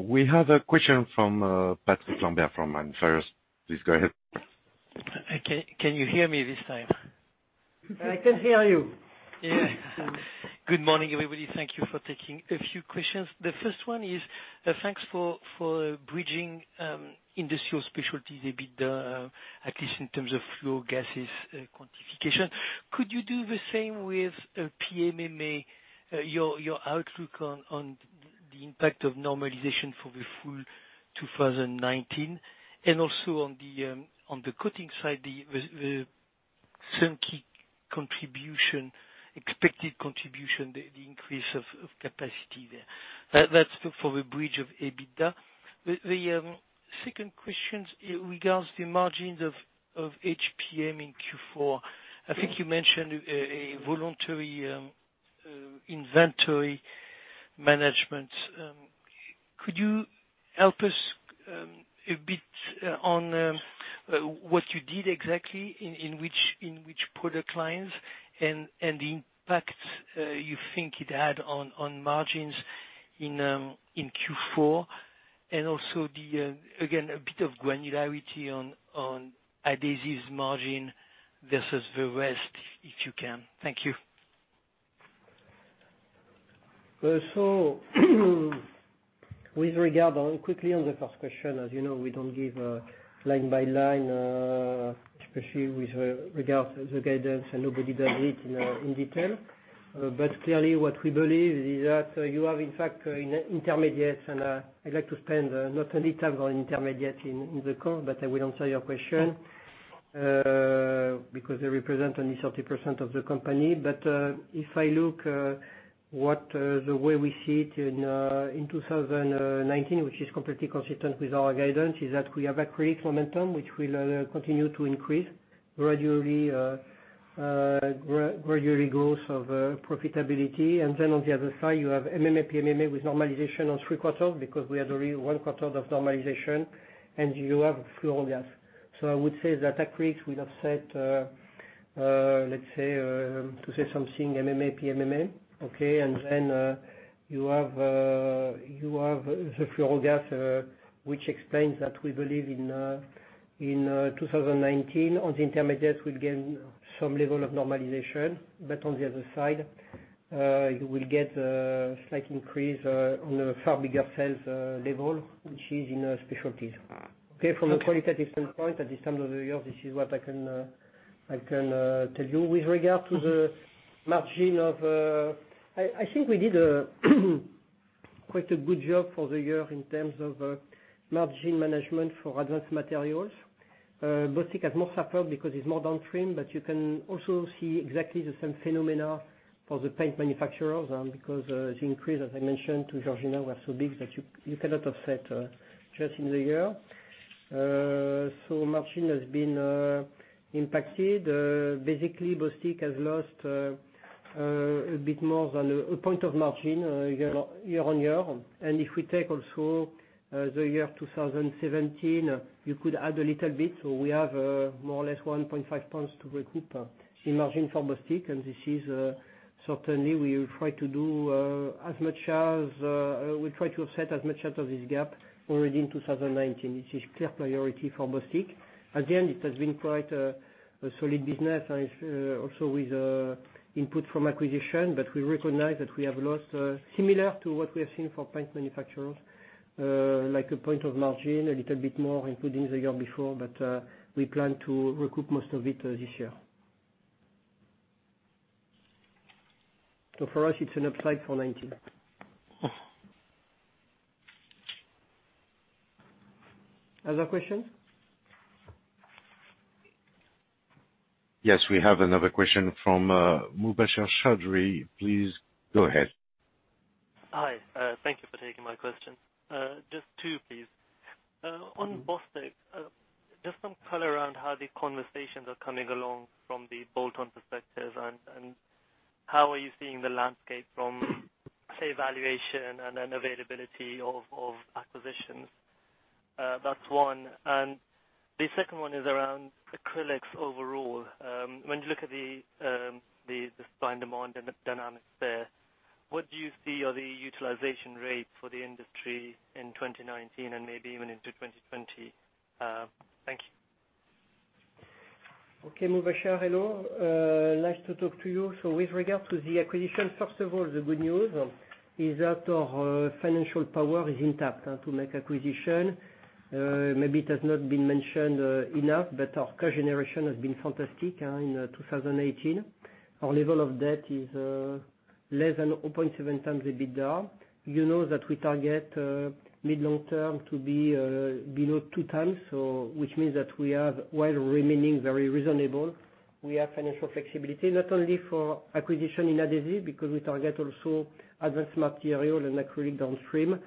We have a question from Patrick Lambert from MainFirst. Please go ahead.
Okay. Can you hear me this time?
I can hear you.
Yeah. Good morning, everybody. Thank you for taking a few questions. The first one is, thanks for bridging Industrial Specialties, EBITDA, at least in terms of Fluorogases quantification. Could you do the same with PMMA, your outlook on the impact of normalization for the full 2019 and also on the coating side, the Sunke expected contribution, the increase of capacity there. That's for the bridge of EBITDA. The second question regards the margins of HPM in Q4. I think you mentioned a voluntary inventory management. Could you help us a bit on what you did exactly, in which product lines and the impact you think it had on margins in Q4 and also, again, a bit of granularity on adhesives margin versus the rest, if you can. Thank you.
With regard on, quickly on the first question, as you know, we don't give a line-by-line, especially with regard to the guidance, and nobody does it in detail. Clearly what we believe is that you have, in fact, intermediates, and I'd like to spend not only time on intermediates in the call, but I will answer your question because they represent only 30% of the company. If I look the way we see it in 2019, which is completely consistent with our guidance, is that we have acrylic momentum, which will continue to increase gradually growth of profitability. Then on the other side, you have MMA PMMA with normalization on three quarters because we had only one quarter of normalization and you have Fluorogas. I would say that acrylic will offset, let's say, to say something, MMA PMMA, okay? Then you have the Fluorogas, which explains that we believe in 2019, on the intermediates, we gain some level of normalization. On the other side, you will get a slight increase on a far bigger sales level, which is in specialties. Okay? From a qualitative standpoint, at this time of the year, this is what I can tell you with regard to the margin. I think we did quite a good job for the year in terms of margin management for Advanced Materials. Bostik has more suffered because it's more downstream, but you can also see exactly the same phenomena for the paint manufacturers because the increase, as I mentioned to Georgina, was so big that you cannot offset just in the year. Margin has been impacted. Basically, Bostik has lost a bit more than one point of margin year-on-year. If we take also the year 2017, you could add a little bit. We have more or less 1.5 points to recoup the margin for Bostik, and this is certainly we try to offset as much out of this gap already in 2019. This is clear priority for Bostik. At the end, it has been quite a solid business, and also with input from acquisition. We recognize that we have lost similar to what we have seen for paint manufacturers, like one point of margin, a little bit more including the year before, but we plan to recoup most of it this year. For us, it's an upside for 2019. Other questions?
Yes, we have another question from Mubasher Chaudhry. Please go ahead.
Hi. Thank you for taking my question. Just two, please. On Bostik, just some color around how the conversations are coming along from the bolt-on perspective and how are you seeing the landscape from, say, valuation and then availability of acquisitions. That's one. The second one is around acrylics overall. When you look at the supply demand and the dynamics there, what do you see are the utilization rates for the industry in 2019 and maybe even into 2020? Thank you.
Okay, Mubasher. Hello. Nice to talk to you. With regard to the acquisition, first of all, the good news is that our financial power is intact to make acquisition. Maybe it has not been mentioned enough, but our cash generation has been fantastic in 2018. Our level of debt is less than 0.7 times EBITDA. You know that we target mid long term to be below two times, which means that we are well remaining very reasonable. We have financial flexibility not only for acquisition in adhesive, because we target also Advanced Materials and acrylic downstream.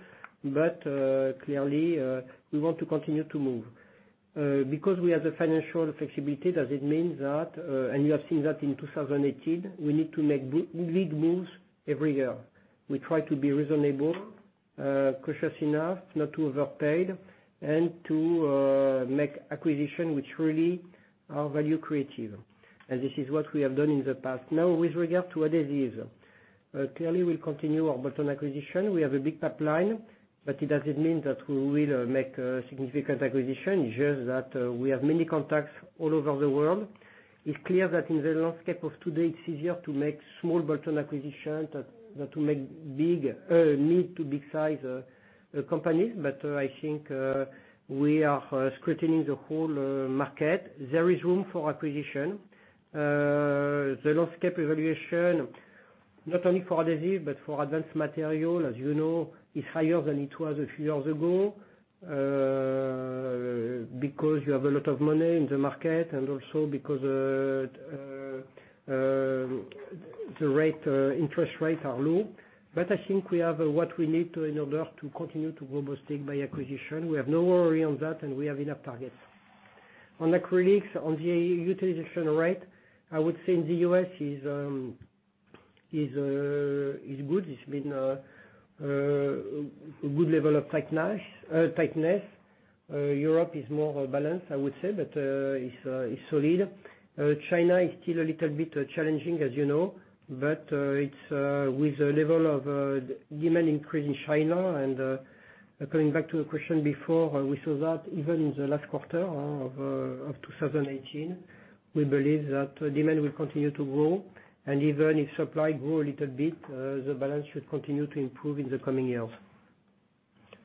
Clearly, we want to continue to move. Because we have the financial flexibility, does it mean that, and you have seen that in 2018, we need to make big moves every year. We try to be reasonable, cautious enough not to overpay and to make acquisition which really are value creative. This is what we have done in the past. Now with regard to adhesives, clearly we'll continue our bolt-on acquisition. We have a big pipeline, it doesn't mean that we will make a significant acquisition. It's just that we have many contacts all over the world. It's clear that in the landscape of today, it's easier to make small bolt-on acquisition than to make big, mid to big size companies. I think we are scrutinizing the whole market. There is room for acquisition. The landscape evaluation, not only for adhesive but for Advanced Materials, as you know, is higher than it was a few years ago. Because you have a lot of money in the market and also because the interest rates are low. I think we have what we need in order to continue to grow Bostik by acquisition. We have no worry on that, we have enough targets. On acrylics, on the utilization rate, I would say in the U.S. it's good. It's been a good level of tightness. Europe is more balanced, I would say, it's solid. China is still a little bit challenging, as you know. With the level of demand increase in China, and going back to the question before, we saw that even in the last quarter of 2018, we believe that demand will continue to grow. Even if supply grow a little bit, the balance should continue to improve in the coming years.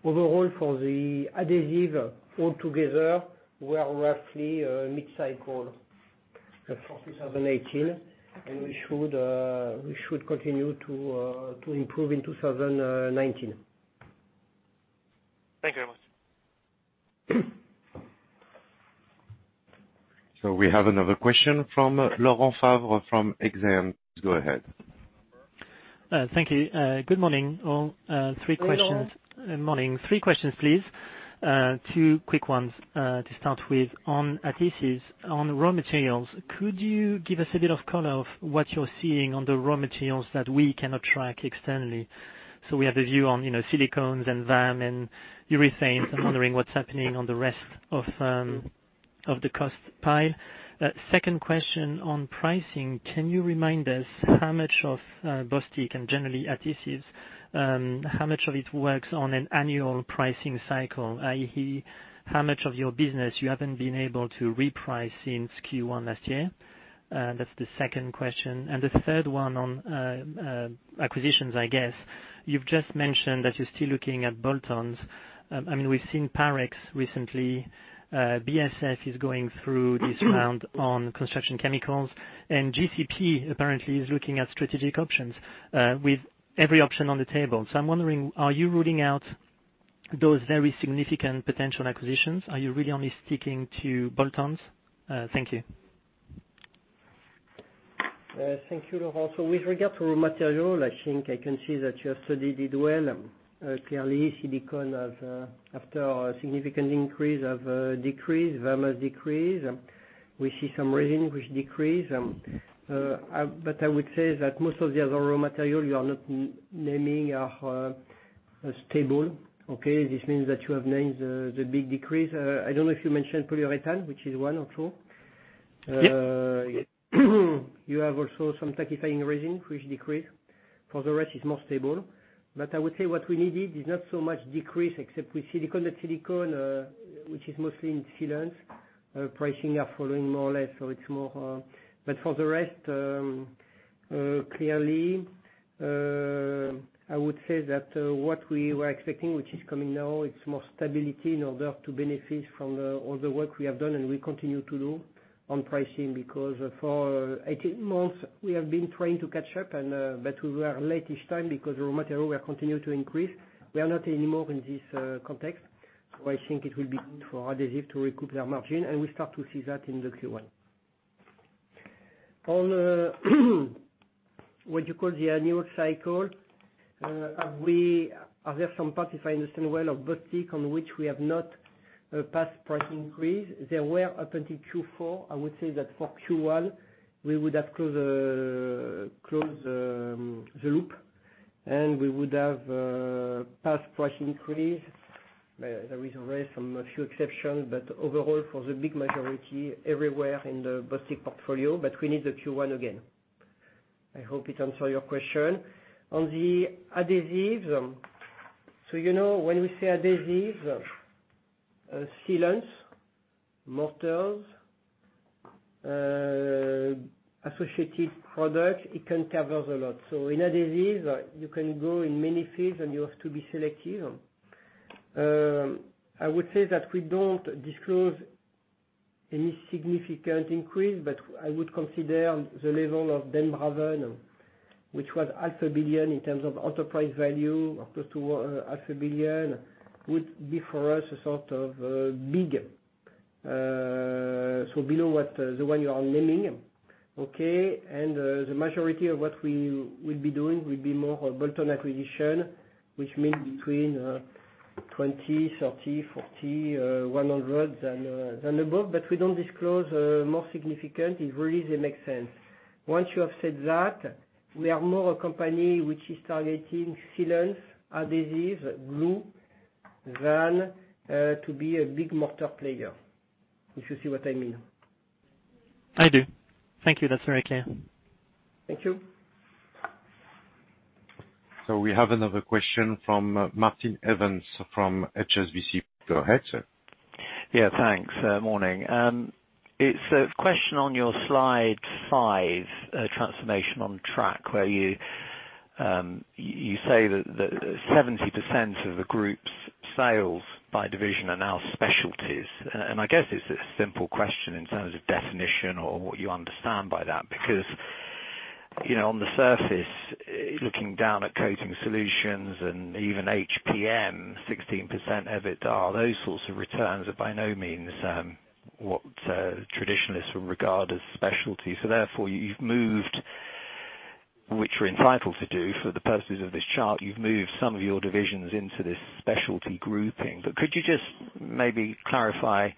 Overall, for the adhesive all together, we are roughly mid-cycle for 2018. Okay. We should continue to improve in 2019. Thank you very much.
We have another question from Laurent Favre from Exane. Go ahead.
Thank you. Good morning, all.
Good morning.
Three questions, please. Two quick ones to start with. On adhesives, on raw materials, could you give us a bit of color of what you're seeing on the raw materials that we cannot track externally? We have a view on silicones and VAM and urethanes. I'm wondering what's happening on the rest of the cost pile. Second question on pricing, can you remind us how much of Bostik and generally adhesives, how much of it works on an annual pricing cycle, i.e., how much of your business you haven't been able to reprice since Q1 last year? That's the second question. The third one on acquisitions, I guess. You've just mentioned that you're still looking at bolt-ons. We've seen Parex recently. BASF is going through this round on construction chemicals, and GCP apparently is looking at strategic options with every option on the table. I'm wondering, are you ruling out those very significant potential acquisitions? Are you really only sticking to bolt-ons? Thank you.
Thank you, Laurent. With regard to raw material, I think I can see that you have studied it well. Clearly, silicones, after a significant increase, have decreased. VAM has decreased. We see some resin which decreased. I would say that most of the other raw material you are not naming are stable. Okay? This means that you have named the big decrease. I don't know if you mentioned polyurethane, which is one or two.
Yes.
You have also some tackifying resin, which decreased. For the rest, it's more stable. I would say what we needed is not so much decrease, except with silicones. The silicones, which is mostly in sealants, pricing are following more or less. For the rest, clearly, I would say that what we were expecting, which is coming now, it's more stability in order to benefit from all the work we have done and we continue to do on pricing. Because for 18 months, we have been trying to catch up, but we were late each time because raw material continued to increase. We are not anymore in this context. I think it will be for adhesive to recoup their margin, and we start to see that in the Q1. On what you call the annual cycle, are there some parts, if I understand well, of Bostik on which we have not passed price increase? There were up until Q4. I would say that for Q1, we would have closed the loop, and we would have passed price increase. There is always a few exceptions, but overall, for the big majority, everywhere in the Bostik portfolio, but we need the Q1 again. I hope it answer your question. On the adhesives, you know, when we say adhesives, sealants, mortars, associated product, it can cover a lot. In adhesive, you can go in many fields, and you have to be selective. I would say that we don't disclose any significant increase, but I would consider the level of Den Braven, which was half a billion in terms of enterprise value, close to half a billion, would be for us a sort of big, below the one you are naming. Okay? The majority of what we will be doing will be more of bolt-on acquisition, which means between 20, 30, 40, 100, and above. We don't disclose more significant if really they make sense. Once you have said that, we are more a company which is targeting sealants, adhesives, glue, than to be a big mortar player. If you see what I mean.
I do. Thank you. That's very clear.
Thank you.
We have another question from Martin Evans from HSBC. Go ahead, sir.
Yeah, thanks. Morning. It is a question on your slide five, transformation on track, where you say that 70% of the group's sales by division are now specialties. I guess it is a simple question in terms of definition or what you understand by that, because. On the surface, looking down at Coating Solutions and even HPM, 16% EBITDA, those sorts of returns are by no means what traditionalists would regard as specialty. Therefore, you have moved, which we are entitled to do for the purposes of this chart, you have moved some of your divisions into this specialty grouping. But could you just maybe clarify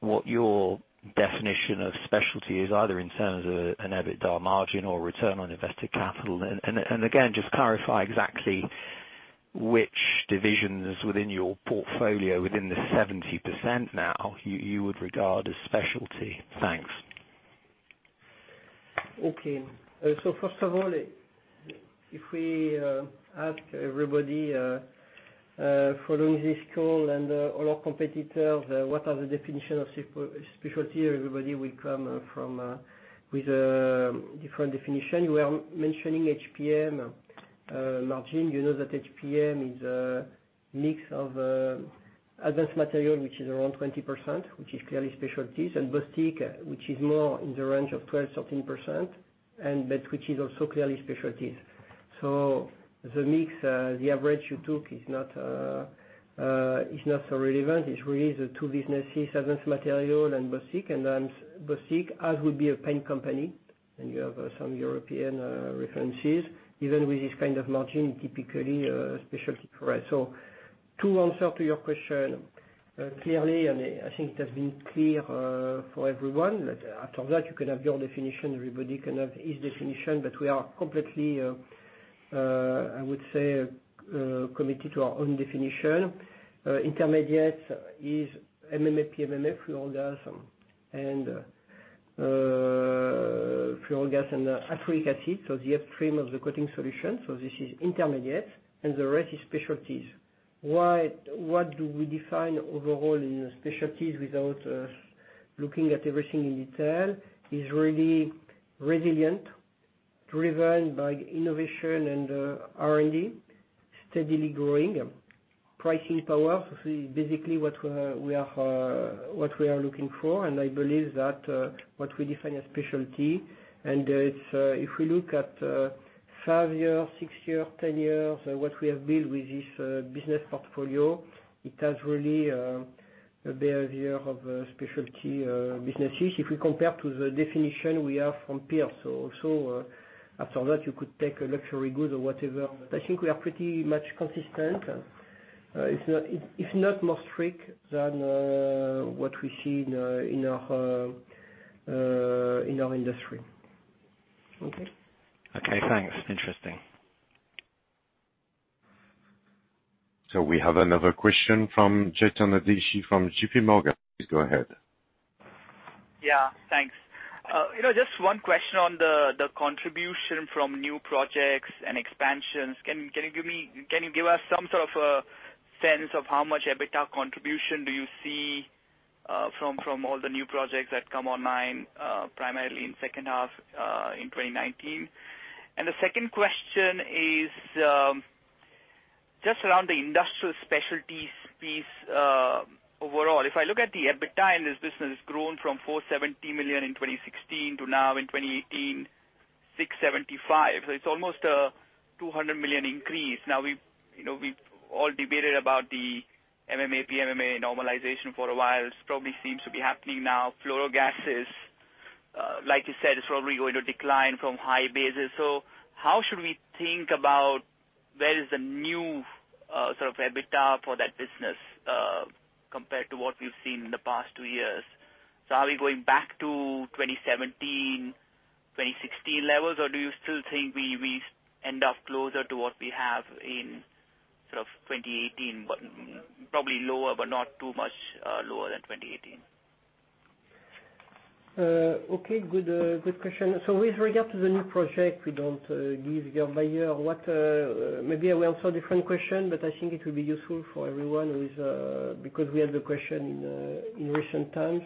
what your definition of specialty is, either in terms of an EBITDA margin or return on invested capital? Again, just clarify exactly which divisions within your portfolio, within the 70% now, you would regard as specialty. Thanks.
Okay. First of all, if we ask everybody following this call and all our competitors, what are the definition of specialty? Everybody will come with a different definition. You know that HPM is a mix of Advanced Materials, which is around 20%, which is clearly specialties, and Bostik, which is more in the range of 12%-13%, and that which is also clearly specialties. The mix, the average you took is not so relevant. It is really the two businesses, Advanced Materials and Bostik, and then Bostik, as would be a paint company, and you have some European references, even with this kind of margin, typically a specialty. To answer to your question, clearly. I think it has been clear for everyone that after that you can have your definition, everybody can have his definition, but we are completely, I would say, committed to our own definition. Intermediate is MMA, PMMA, Fluorogases, and acrylic acid, so the F3 was Coating Solutions, so this is intermediate, and the rest is specialties. What do we define overall in the specialties without looking at everything in detail is really resilient, driven by innovation and R&D, steadily growing. Pricing power. So basically what we are looking for, and I believe that what we define as specialty, and if we look at five years, six years, 10 years, what we have built with this business portfolio, it has really a behavior of a specialty businesses. If we compare to the definition we have from peers. After that, you could take a luxury goods or whatever, I think we are pretty much consistent. If not more strict than what we see in our industry. Okay.
Okay, thanks. Interesting.
We have another question from Chetan Udeshi from J.P. Morgan. Please go ahead.
Yeah. Thanks. Just one question on the contribution from new projects and expansions. Can you give us some sort of a sense of how much EBITDA contribution do you see from all the new projects that come online, primarily in second half in 2019? The second question is, just around the Industrial Specialties piece, overall. If I look at the EBITDA in this business, it's grown from 470 million in 2016 to now in 2018, 675 million. It's almost a 200 million increase. We've all debated about the MMA, PMMA normalization for a while. It probably seems to be happening now. Fluorogases, like you said, it's probably going to decline from high basis. How should we think about where is the new sort of EBITDA for that business compared to what we've seen in the past two years? Are we going back to 2017, 2016 levels, or do you still think we end up closer to what we have in 2018, probably lower, but not too much lower than 2018?
Okay, good question. With regard to the new project, we don't give year by year what. Maybe I will answer a different question, but I think it will be useful for everyone who is. Because we had the question in recent times,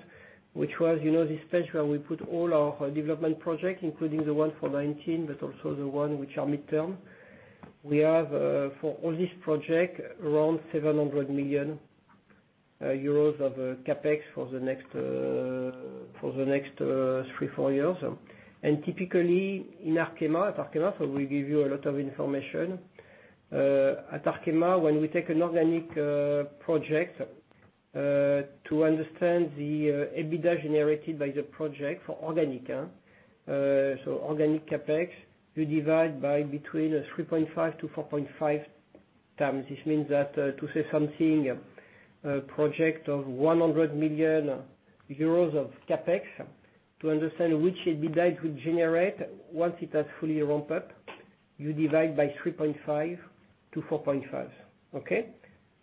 which was, you know the stage where we put all our development projects, including the one for 2019, but also the one which are midterm. We have, for all these project, around 700 million euros of CapEx for the next three, four years. Typically, in Arkema, we give you a lot of information. At Arkema, when we take an organic project, to understand the EBITDA generated by the project, for organic. Organic CapEx, we divide by between 3.5 to 4.5 times. This means that to say something, a project of 100 million euros of CapEx, to understand which EBITDA it would generate once it has fully ramped up, you divide by 3.5 to 4.5. Okay?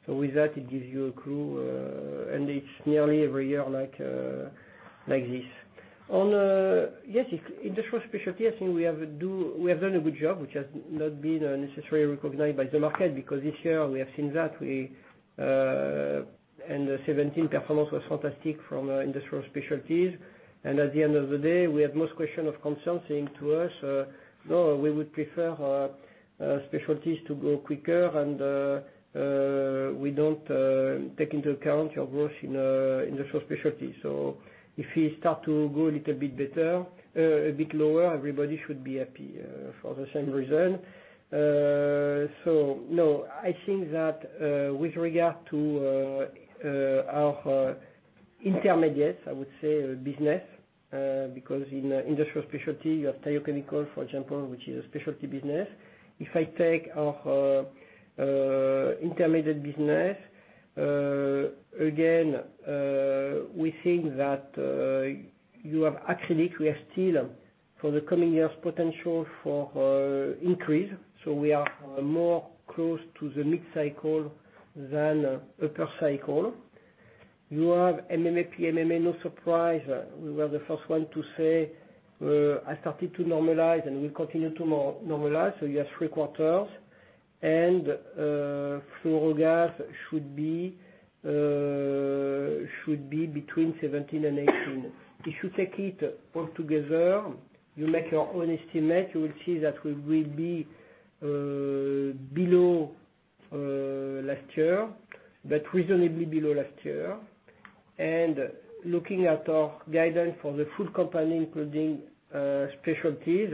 With that, it gives you a clue, and it's nearly every year like this. On Industrial Specialties, I think we have done a good job, which has not been necessarily recognized by the market, because this year we have seen that, and the 2017 performance was fantastic from Industrial Specialties. At the end of the day, we have most questions of consulting to us. No, we would prefer specialties to grow quicker and we don't take into account your growth in Industrial Specialties. If it starts to go a little bit better, a bit lower, everybody should be happy for the same reason. No, I think that with regard to our intermediates, I would say, business because in Industrial Specialties you have tire chemical, for example, which is a specialty business. If I take our intermediate business, again, we think that you have acrylic, we are still for the coming year's potential for increase. We are more close to the mid-cycle than upper cycle. You have MMA, no surprise. We were the first one to say, I started to normalize and we continue to normalize. You have three quarters. Fluorogases should be between 2017 and 2018. If you take it all together, you make your own estimate, you will see that we will be below last year, but reasonably below last year. Looking at our guidance for the full company, including Specialties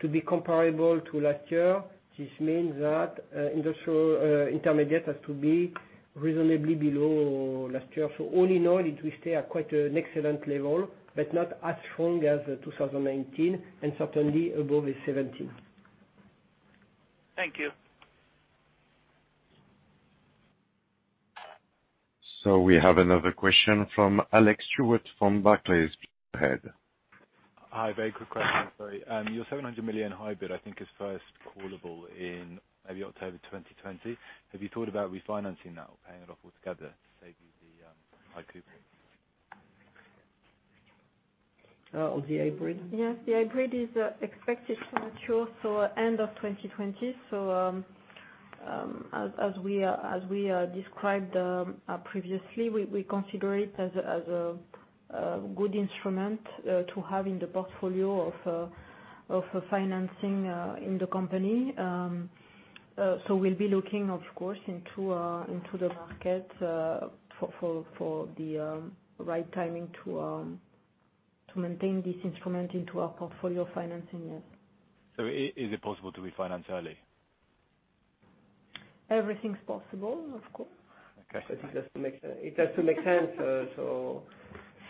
to be comparable to last year, this means that industrial intermediate has to be reasonably below last year. All in all, it will stay at quite an excellent level, but not as strong as 2019 and certainly above the 2017.
Thank you.
We have another question from Alex Stewart from Barclays. Go ahead.
Hi, very quick question, sorry. Your 700 million hybrid, I think, is first callable in maybe October 2020. Have you thought about refinancing that or paying it off altogether to save you the high coupon?
Of the hybrid?
Yes, the hybrid is expected to mature for end of 2020. As we described previously, we consider it as a good instrument to have in the portfolio of financing in the company. We'll be looking, of course, into the market for the right timing to maintain this instrument into our portfolio financing, yes.
Is it possible to refinance early?
Everything's possible, of course.
Okay.
It has to make sense.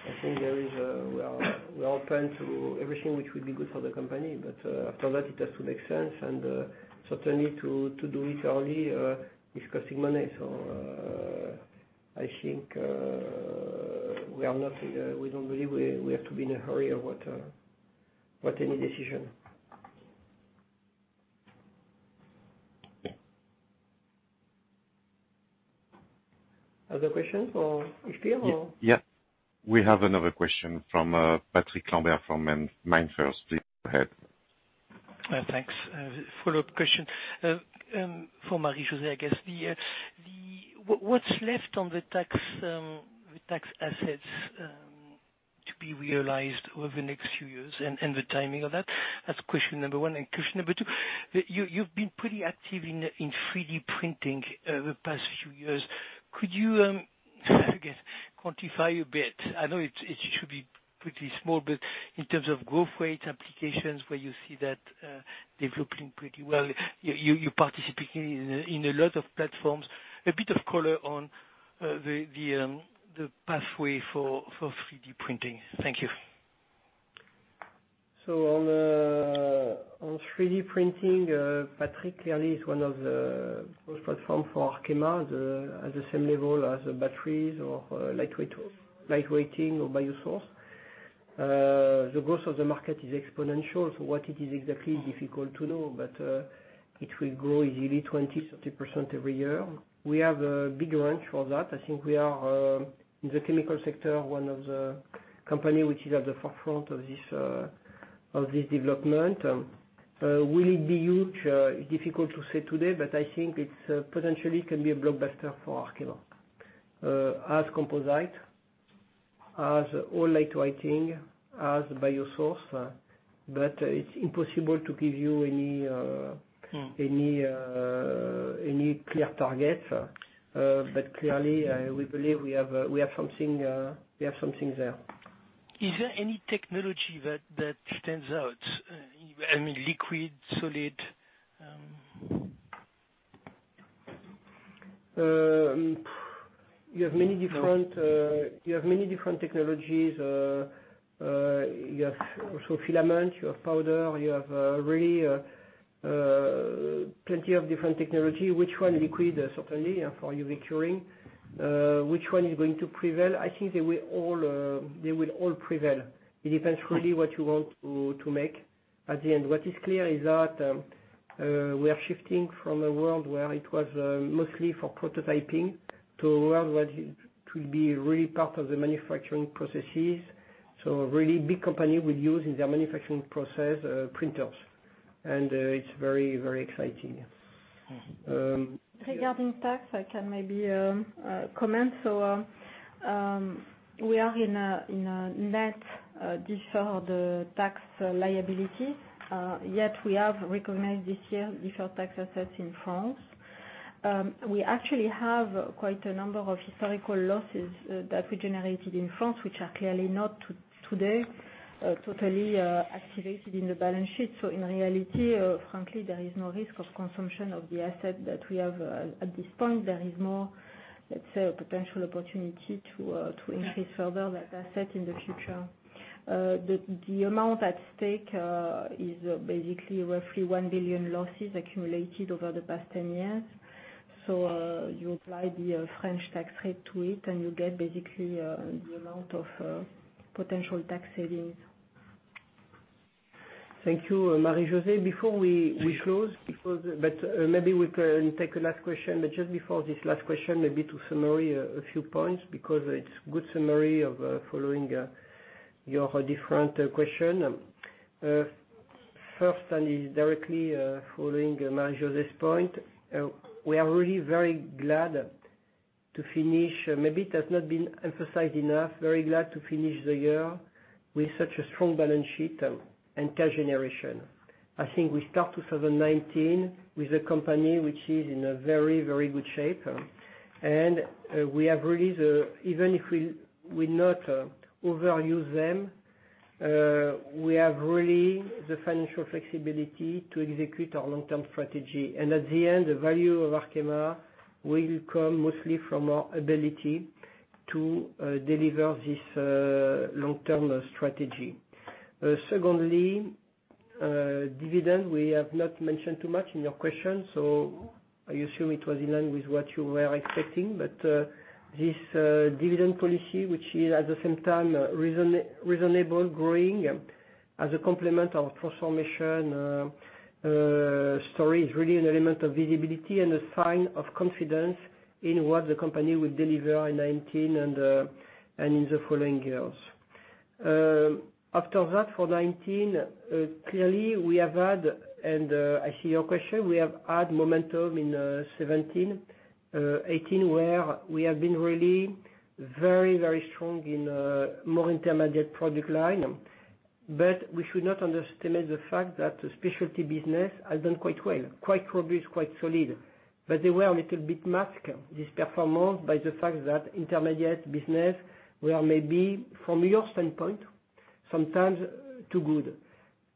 I think we are open to everything which would be good for the company. After that, it has to make sense and certainly to do it early is costing money. I think we don't believe we have to be in a hurry about any decision. Other questions for us here or
Yeah. We have another question from Patrick Lambert from MainFirst. Please go ahead.
Thanks. Follow-up question for Marie-José, I guess. What's left on the tax assets to be realized over the next few years and the timing of that? That's question number 1. Question number 2, you've been pretty active in 3D printing over the past few years. Could you quantify a bit? I know it should be pretty small, but in terms of growth rate applications, where you see that developing pretty well. You're participating in a lot of platforms. A bit of color on the pathway for 3D printing. Thank you.
On 3D printing, Patrick, clearly is one of the growth platform for Arkema at the same level as batteries or lightweighting or bio-sourced. The growth of the market is exponential. What it is exactly is difficult to know, but it will grow easily 20%, 30% every year. We have a big range for that. I think we are, in the chemical sector, one of the company which is at the forefront of this development. Will it be huge? Difficult to say today, but I think it potentially can be a blockbuster for Arkema. As composite, as all lightweighting, as bio-sourced. It's impossible to give you any clear target. Clearly, we believe we have something there.
Is there any technology that stands out? I mean, liquid, solid.
You have many different technologies. You have also filament, you have powder, you have really plenty of different technology. Which one? Liquid, certainly, for UV curing. Which one is going to prevail? I think they will all prevail. It depends really what you want to make at the end. What is clear is that we are shifting from a world where it was mostly for prototyping to a world where it will be really part of the manufacturing processes. A really big company will use, in their manufacturing process, printers. It's very exciting.
Regarding tax, I can maybe comment. We are in a net deferred tax liability. Yet we have recognized this year deferred tax assets in France. We actually have quite a number of historical losses that we generated in France, which are clearly not today totally activated in the balance sheet. In reality, frankly, there is no risk of consumption of the asset that we have at this point. There is more, let's say, a potential opportunity to increase further that asset in the future. The amount at stake is basically roughly 1 billion losses accumulated over the past 10 years. You apply the French tax rate to it, you get basically the amount of potential tax savings.
Thank you, Marie-José. Before we close, maybe we can take a last question. Just before this last question, maybe to summarize a few points because it's good summary of following your different question. First, is directly following Marie-José's point. We are really very glad to finish. Maybe it has not been emphasized enough, very glad to finish the year with such a strong balance sheet and cash generation. I think we start 2019 with a company which is in a very good shape. We have really, even if we not overuse them, we have really the financial flexibility to execute our long-term strategy. At the end, the value of Arkema will come mostly from our ability to deliver this long-term strategy. Secondly, dividend, we have not mentioned too much in your question, I assume it was in line with what you were expecting. This dividend policy, which is at the same time reasonable growing as a complement of transformation story, is really an element of visibility and a sign of confidence in what the company will deliver in 2019 and in the following years. After that, for 2019, clearly we have had, and I see your question, we have had momentum in 2017, 2018, where we have been really very strong in more intermediate product line. We should not underestimate the fact that the specialty business has done quite well, quite robust, quite solid. They were a little bit masked, this performance, by the fact that intermediate business were maybe, from your standpoint, sometimes too good.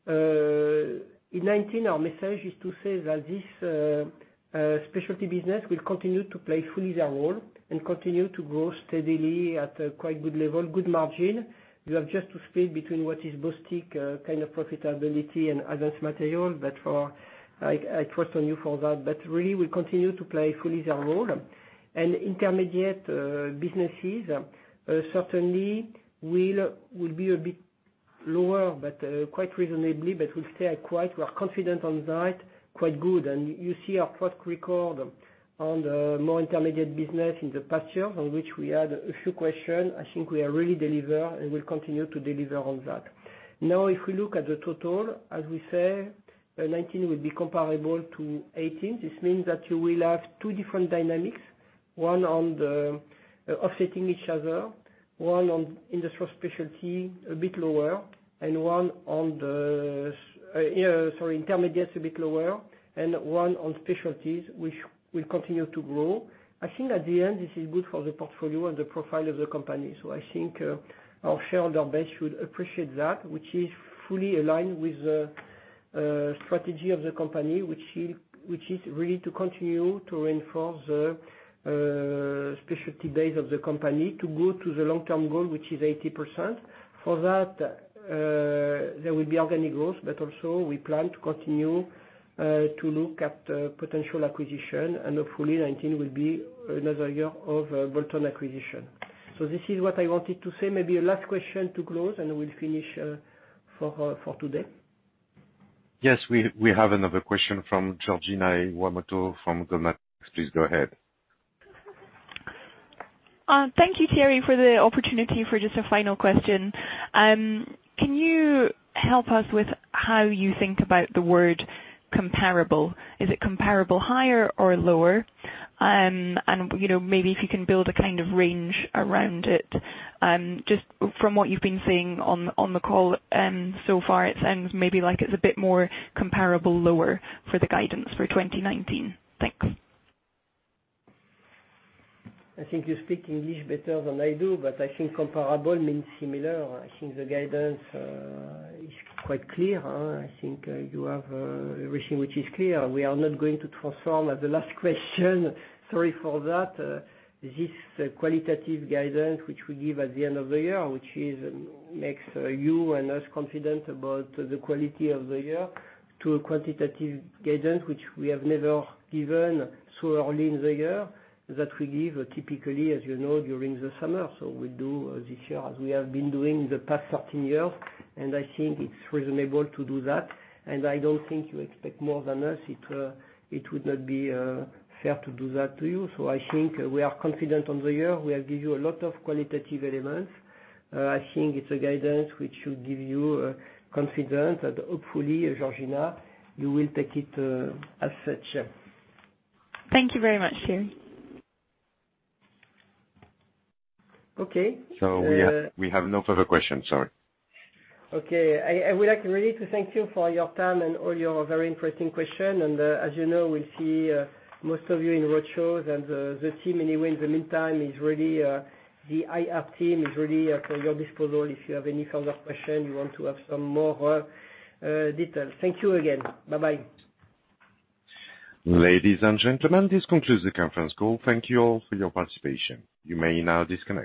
In 2019, our message is to say that this specialty business will continue to play fully their role and continue to grow steadily at a quite good level, good margin. You have just to split between what is Bostik kind of profitability and Advanced Materials. I trust on you for that, but really will continue to play fully their role. Intermediate businesses certainly will be a bit lower, but quite reasonably, but will stay at quite, we are confident on that, quite good. You see our track record on the more intermediate business in the past year, on which we had a few questions. I think we are really deliver and will continue to deliver on that. Now if we look at the total, as we say, 2019 will be comparable to 2018. This means that you will have two different dynamics, one on the offsetting each other, one on Industrial Specialties, a bit lower, and Sorry, intermediates a bit lower, and one on specialties, which will continue to grow. I think at the end this is good for the portfolio and the profile of the company. I think our shareholder base should appreciate that which is fully aligned with the strategy of the company, which is really to continue to reinforce the specialty base of the company to go to the long-term goal, which is 80%. For that, there will be organic growth, but also we plan to continue to look at potential acquisition. Hopefully 2019 will be another year of bolt-on acquisition. This is what I wanted to say. Maybe a last question to close, we'll finish for today.
Yes, we have another question from Georgina Iwamoto from Goldman Sachs. Please go ahead.
Thank you, Thierry, for the opportunity for just a final question. Can you help us with how you think about the word comparable? Is it comparable higher or lower? Maybe if you can build a kind of range around it. Just from what you've been saying on the call so far, it sounds maybe like it's a bit more comparable lower for the guidance for 2019. Thanks.
I think you speak English better than I do. I think comparable means similar. I think the guidance is quite clear. I think you have everything which is clear. We are not going to transform at the last question, sorry for that. This qualitative guidance, which we give at the end of the year, which makes you and us confident about the quality of the year to a quantitative guidance, which we have never given so early in the year, that we give typically, as you know, during the summer. We'll do this year as we have been doing the past 13 years. I think it's reasonable to do that. I don't think you expect more than us. It would not be fair to do that to you. I think we are confident on the year. We have give you a lot of qualitative elements. I think it's a guidance which should give you confidence. Hopefully, Georgina, you will take it as such.
Thank you very much, Thierry.
Okay.
We have no further questions. Sorry.
Okay. I would like really to thank you for your time and all your very interesting question. As you know, we'll see most of you in roadshows and the IR team is really at your disposal if you have any kind of question, you want to have some more details. Thank you again. Bye-bye.
Ladies and gentlemen, this concludes the conference call. Thank you all for your participation. You may now disconnect.